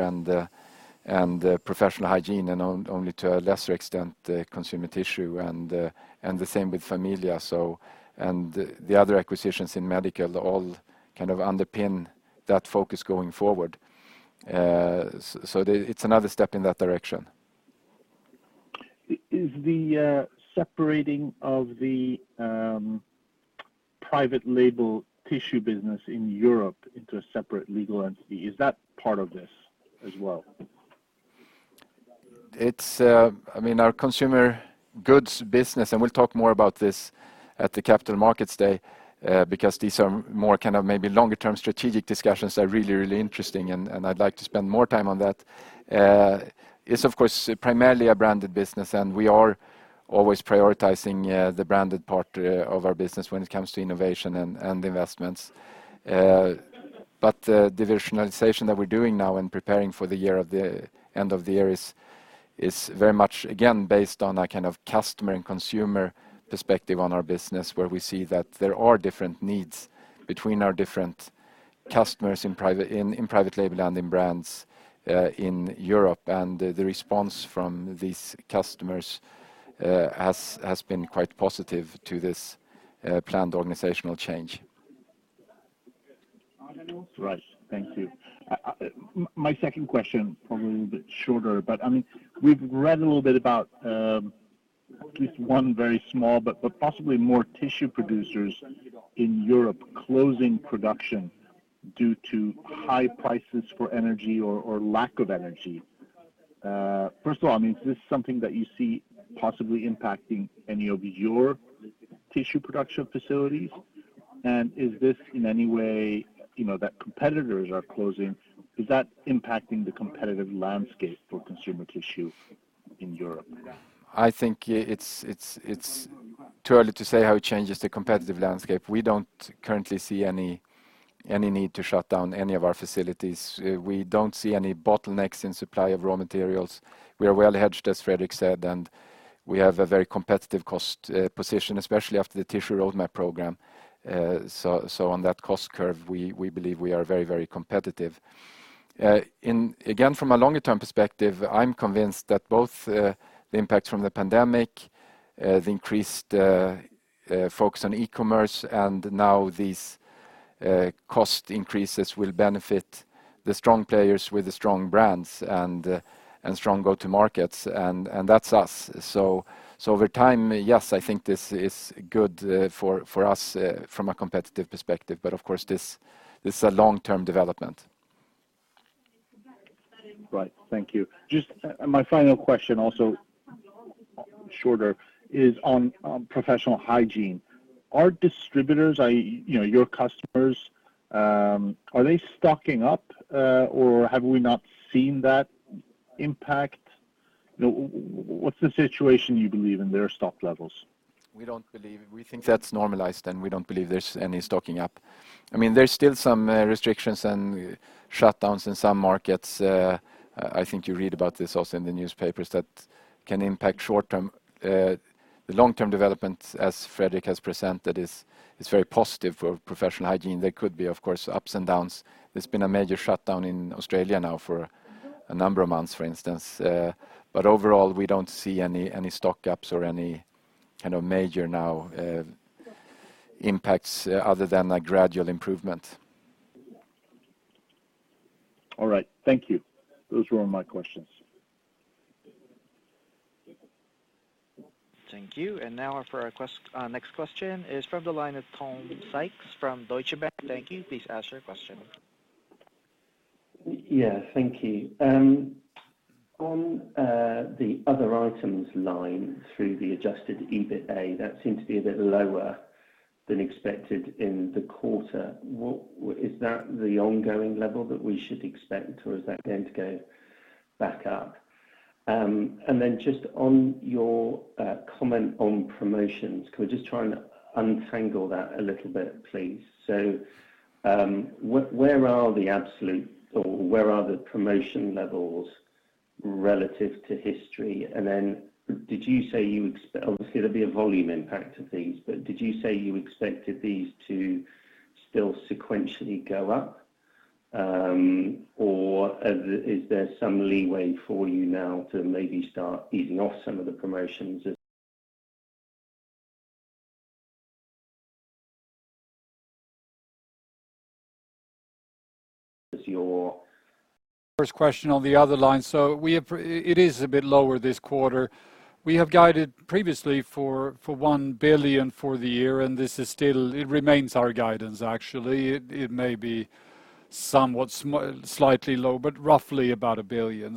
and professional hygiene, and only to a lesser extent, consumer tissue, and the same with Familia. The other acquisitions in Medical Solutions all kind of underpin that focus going forward. It's another step in that direction. Is the separating of the private label tissue business in Europe into a separate legal entity, is that part of this as well? Our consumer goods business, and we'll talk more about this at the Capital Markets Day because these are more kind of maybe longer-term strategic discussions that are really, really interesting, and I'd like to spend more time on that. It's of course, primarily a branded business, and we are always prioritizing the branded part of our business when it comes to innovation and investments. Divisionalization that we're doing now and preparing for the end of the year is very much, again, based on a kind of customer and consumer perspective on our business, where we see that there are different needs between our different customers in private label and in brands in Europe. The response from these customers has been quite positive to this planned organizational change. Right. Thank you. My second question, probably a little bit shorter, but we've read a little bit about at least one very small, but possibly more tissue producers in Europe closing production due to high prices for energy or lack of energy. First of all, is this something that you see possibly impacting any of your tissue production facilities? Is this in any way that competitors are closing, is that impacting the competitive landscape for Consumer Tissue in Europe? I think it's too early to say how it changes the competitive landscape. We don't currently see any need to shut down any of our facilities. We don't see any bottlenecks in supply of raw materials. We are well hedged, as Fredrik said, and we have a very competitive cost position, especially after the Tissue Roadmap Program. On that cost curve, we believe we are very, very competitive. Again, from a longer term perspective, I'm convinced that both the impact from the pandemic, the increased Focus on e-commerce, and now these cost increases will benefit the strong players with the strong brands and strong go-to markets, and that's us. Over time, yes, I think this is good for us from a competitive perspective, but of course, this is a long-term development. Right. Thank you. Just my final question, also shorter, is on professional hygiene. Our distributors, your customers, are they stocking up or have we not seen that impact? What's the situation, you believe, in their stock levels? We think that's normalized, and we don't believe there's any stocking up. There's still some restrictions and shutdowns in some markets, I think you read about this also in the newspapers, that can impact short-term. The long-term development, as Fredrik has presented, is very positive for professional hygiene. There could be, of course, ups and downs. There's been a major shutdown in Australia now for a number of months, for instance. Overall, we don't see any stock-ups or any major now impacts other than a gradual improvement. All right. Thank you. Those were all my questions. Thank you. Now for our next question is from the line of Tom Sykes from Deutsche Bank. Thank you. Please ask your question. Yeah, thank you. On the other items line through the adjusted EBITA, that seems to be a bit lower than expected in the quarter. Is that the ongoing level that we should expect, or is that going to go back up? Just on your comment on promotions, can we just try and untangle that a little bit, please? Where are the absolute, or where are the promotion levels relative to history? Did you say? Obviously, there'll be a volume impact to these, but did you say you expected these to still sequentially go up? Or is there some leeway for you now to maybe start easing off some of the promotions as your- First question on the other line. It is a bit lower this quarter. We have guided previously for 1 billion for the year, and it remains our guidance, actually. It may be somewhat slightly low, but roughly about 1 billion.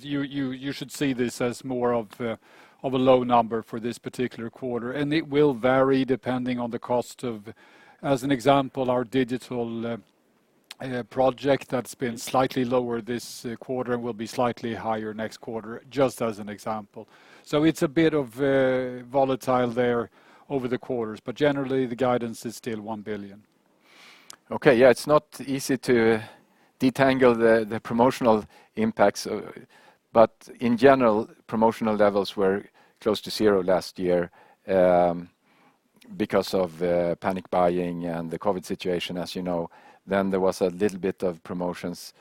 You should see this as more of a low number for this particular quarter. It will vary depending on the cost of, as an example, our digital project that's been slightly lower this quarter and will be slightly higher next quarter, just as an example. It's a bit of volatile there over the quarters, but generally, the guidance is still 1 billion. Okay. It's not easy to detangle the promotional impacts. In general, promotional levels were close to zero last year because of panic buying and the COVID situation, as you know. There was a little bit of promotions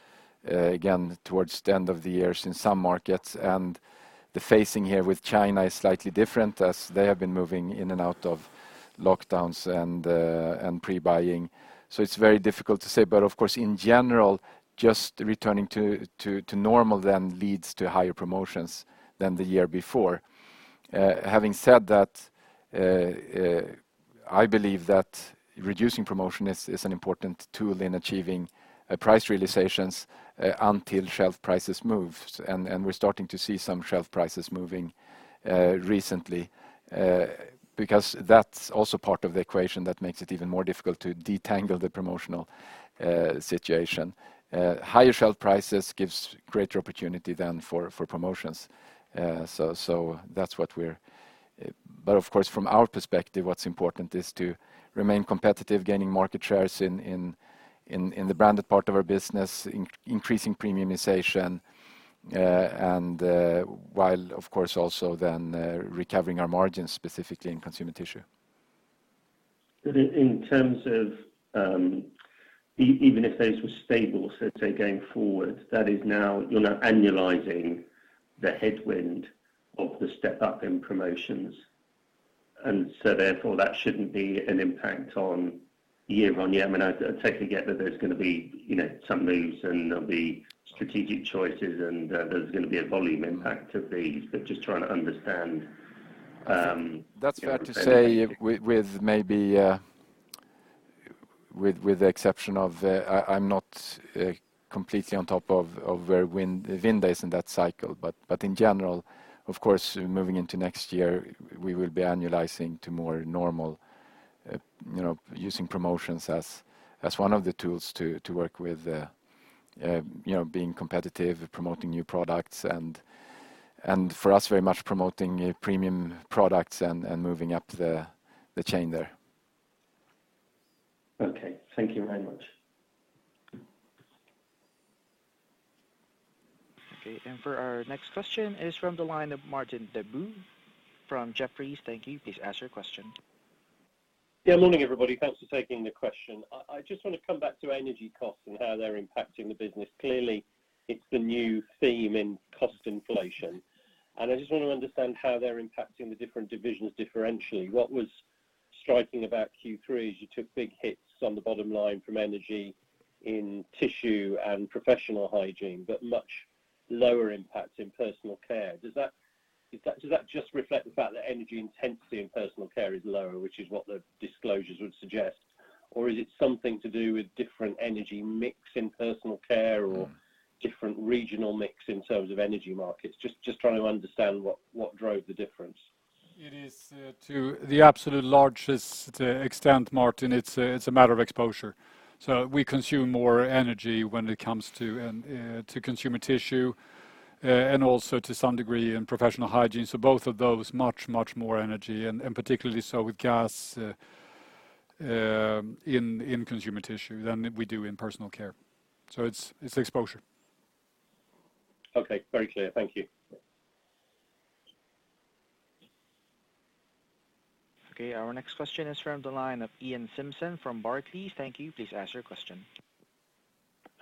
again towards the end of the year in some markets. The phasing here with China is slightly different as they have been moving in and out of lockdowns and pre-buying. It's very difficult to say. Of course, in general, just returning to normal then leads to higher promotions than the year before. Having said that, I believe that reducing promotion is an important tool in achieving price realizations until shelf prices move. We're starting to see some shelf prices moving recently because that's also part of the equation that makes it even more difficult to detangle the promotional situation. Higher shelf prices gives greater opportunity than for promotions. Of course, from our perspective, what's important is to remain competitive, gaining market shares in the branded part of our business, increasing premiumization, while, of course, also recovering our margins, specifically in Consumer Tissue. In terms of even if those were stable, say going forward, that is now you're now annualizing the headwind of the step-up in promotions. Therefore, that shouldn't be an impact on year-over-year. I take it that there's going to be some moves and there'll be strategic choices and there's going to be a volume impact to these, but just trying to understand. That's fair to say with maybe with the exception of, I'm not completely on top of where Vinda is in that cycle. In general, of course, moving into next year, we will be annualizing to more normal, using promotions as one of the tools to work with being competitive, promoting new products, and for us, very much promoting premium products and moving up the chain there. Okay. Thank you very much. Okay. For our next question is from the line of Martin Deboo from Jefferies. Thank you. Please ask your question. Morning, everybody. Thanks for taking the question. I just want to come back to energy costs and how they're impacting the business. Clearly, it's the new theme in cost inflation, and I just want to understand how they're impacting the different divisions differentially. What was striking about Q3 is you took big hits on the bottom line from energy tissue and professional hygiene, but much lower impact personal care. does that just reflect the fact that energy intensity personal care is lower, which is what the disclosures would suggest, or is it something to do with different energy mix personal care or different regional mix in terms of energy markets? Just trying to understand what drove the difference. It is to the absolute largest extent, Martin, it's a matter of exposure. We consume more energy when it comes to Consumer Tissue, and also to some degree in professional hygiene. Both of those, much more energy, and particularly so with gas in Consumer Tissue than we do personal care. it's exposure. Okay. Very clear. Thank you. Okay, our next question is from the line of Iain Simpson from Barclays. Thank you. Please ask your question.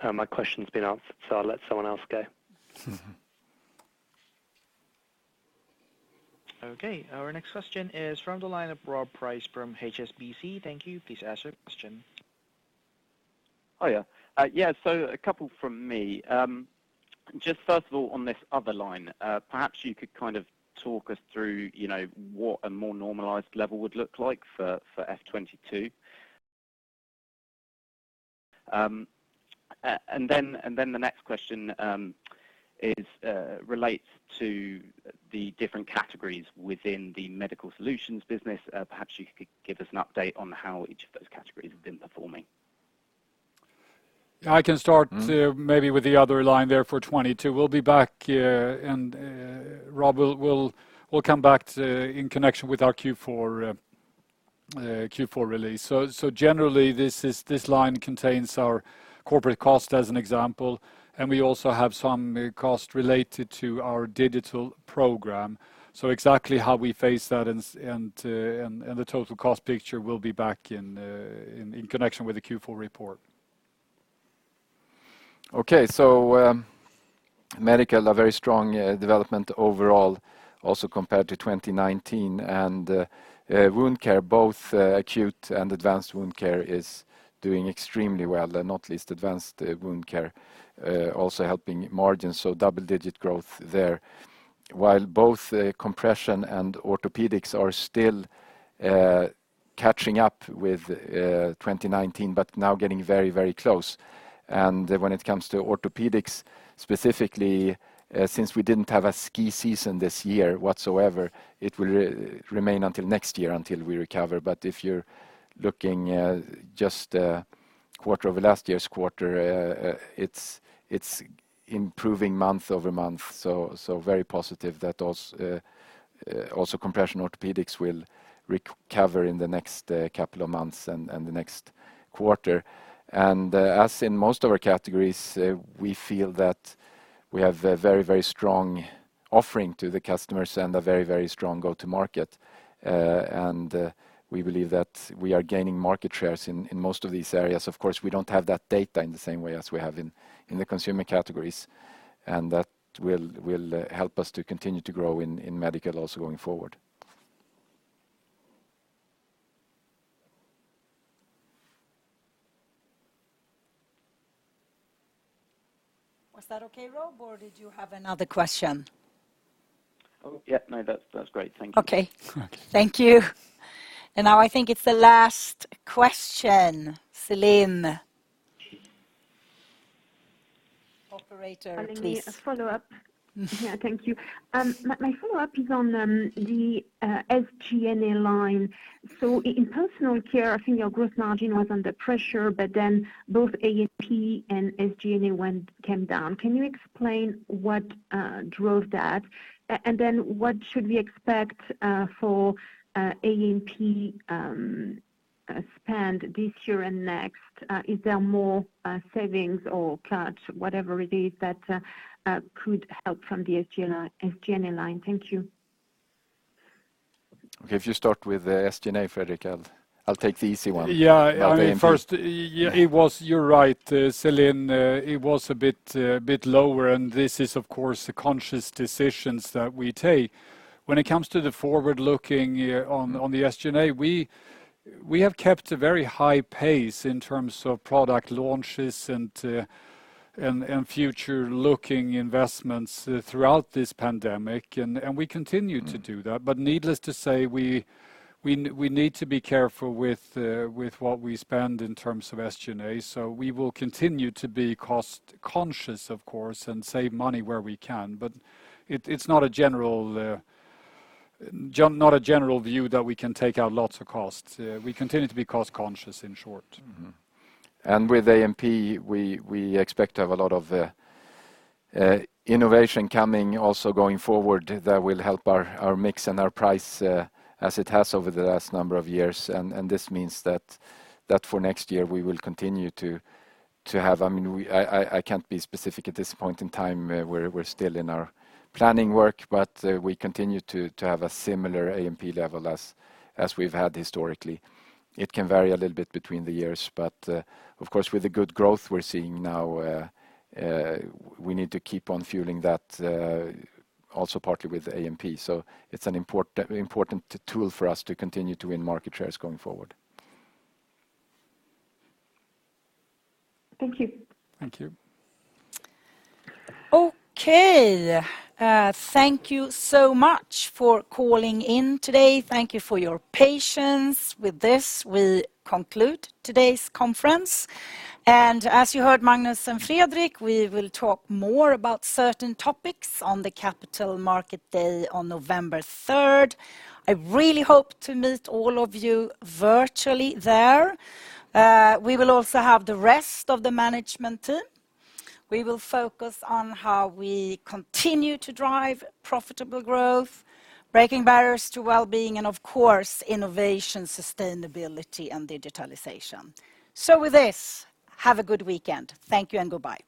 My question's been answered. I'll let someone else go. Okay. Our next question is from the line of Rob Price from HSBC. Thank you. Please ask your question. Oh, yeah. Yeah, a couple from me. Just first of all, on this other line, perhaps you could kind of talk us through what a more normalized level would look like for FY 2022. The next question relates to the different categories within the Medical Solutions business. Perhaps you could give us an update on how each of those categories have been performing. I can start maybe with the other line there for 2022. Rob, we'll come back in connection with our Q4 release. Generally, this line contains our corporate cost, as an example, and we also have some cost related to our digital program. Exactly how we face that and the total cost picture will be back in connection with the Q4 report. Okay. Medical, a very strong development overall, also compared to 2019. Wound Care, both Acute and Advanced Wound Care, is doing extremely well, and not least Advanced Wound Care also helping margins, so double-digit growth there. While both Compression and Orthopedics are still catching up with 2019, but now getting very close. When it comes to Orthopedics specifically, since we didn't have a ski season this year whatsoever, it will remain until next year until we recover. If you're looking just quarter over last year's quarter, it's improving month-over-month, so very positive that also Compression Orthopedics will recover in the next couple of months and the next quarter. As in most of our categories, we feel that we have a very strong offering to the customers and a very strong go-to-market. We believe that we are gaining market shares in most of these areas. Of course, we don't have that data in the same way as we have in the consumer categories. That will help us to continue to grow in Medical also going forward. Was that okay, Rob, or did you have another question? Oh, yeah, no, that's great. Thank you. Okay. Thank you. Now I think it's the last question. Celine. Operator, please. Eleni, a follow-up. Yeah, thank you. My follow-up is on the SG&A line. personal care, i think your gross margin was under pressure, but then both A&P and SG&A came down. Can you explain what drove that? What should we expect for A&P spend this year and next? Is there more savings or cuts, whatever it is, that could help from the SG&A line? Thank you. Okay, if you start with SG&A, Fredrik, I'll take the easy one about A&P. Yeah. First, you're right, Celine. It was a bit lower. This is, of course, the conscious decisions that we take. When it comes to the forward-looking on the SG&A, we have kept a very high pace in terms of product launches and future-looking investments throughout this pandemic, and we continue to do that. Needless to say, we need to be careful with what we spend in terms of SG&A. We will continue to be cost-conscious, of course, and save money where we can. It's not a general view that we can take out lots of costs. We continue to be cost-conscious, in short. With A&P, we expect to have a lot of innovation coming also going forward that will help our mix and our price as it has over the last number of years. This means that for next year, we will continue to have I can't be specific at this point in time. We're still in our planning work, but we continue to have a similar A&P level as we've had historically. It can vary a little bit between the years, but of course, with the good growth we're seeing now, we need to keep on fueling that also partly with A&P. It's an important tool for us to continue to win market shares going forward. Thank you. Thank you. Okay. Thank you so much for calling in today. Thank you for your patience. With this, we conclude today's conference. As you heard Magnus and Fredrik, we will talk more about certain topics on the Capital Markets Day on November 3rd. I really hope to meet all of you virtually there. We will also have the rest of the management team. We will focus on how we continue to drive profitable growth, breaking barriers to wellbeing, and of course, innovation, sustainability, and digitalization. With this, have a good weekend. Thank you and goodbye.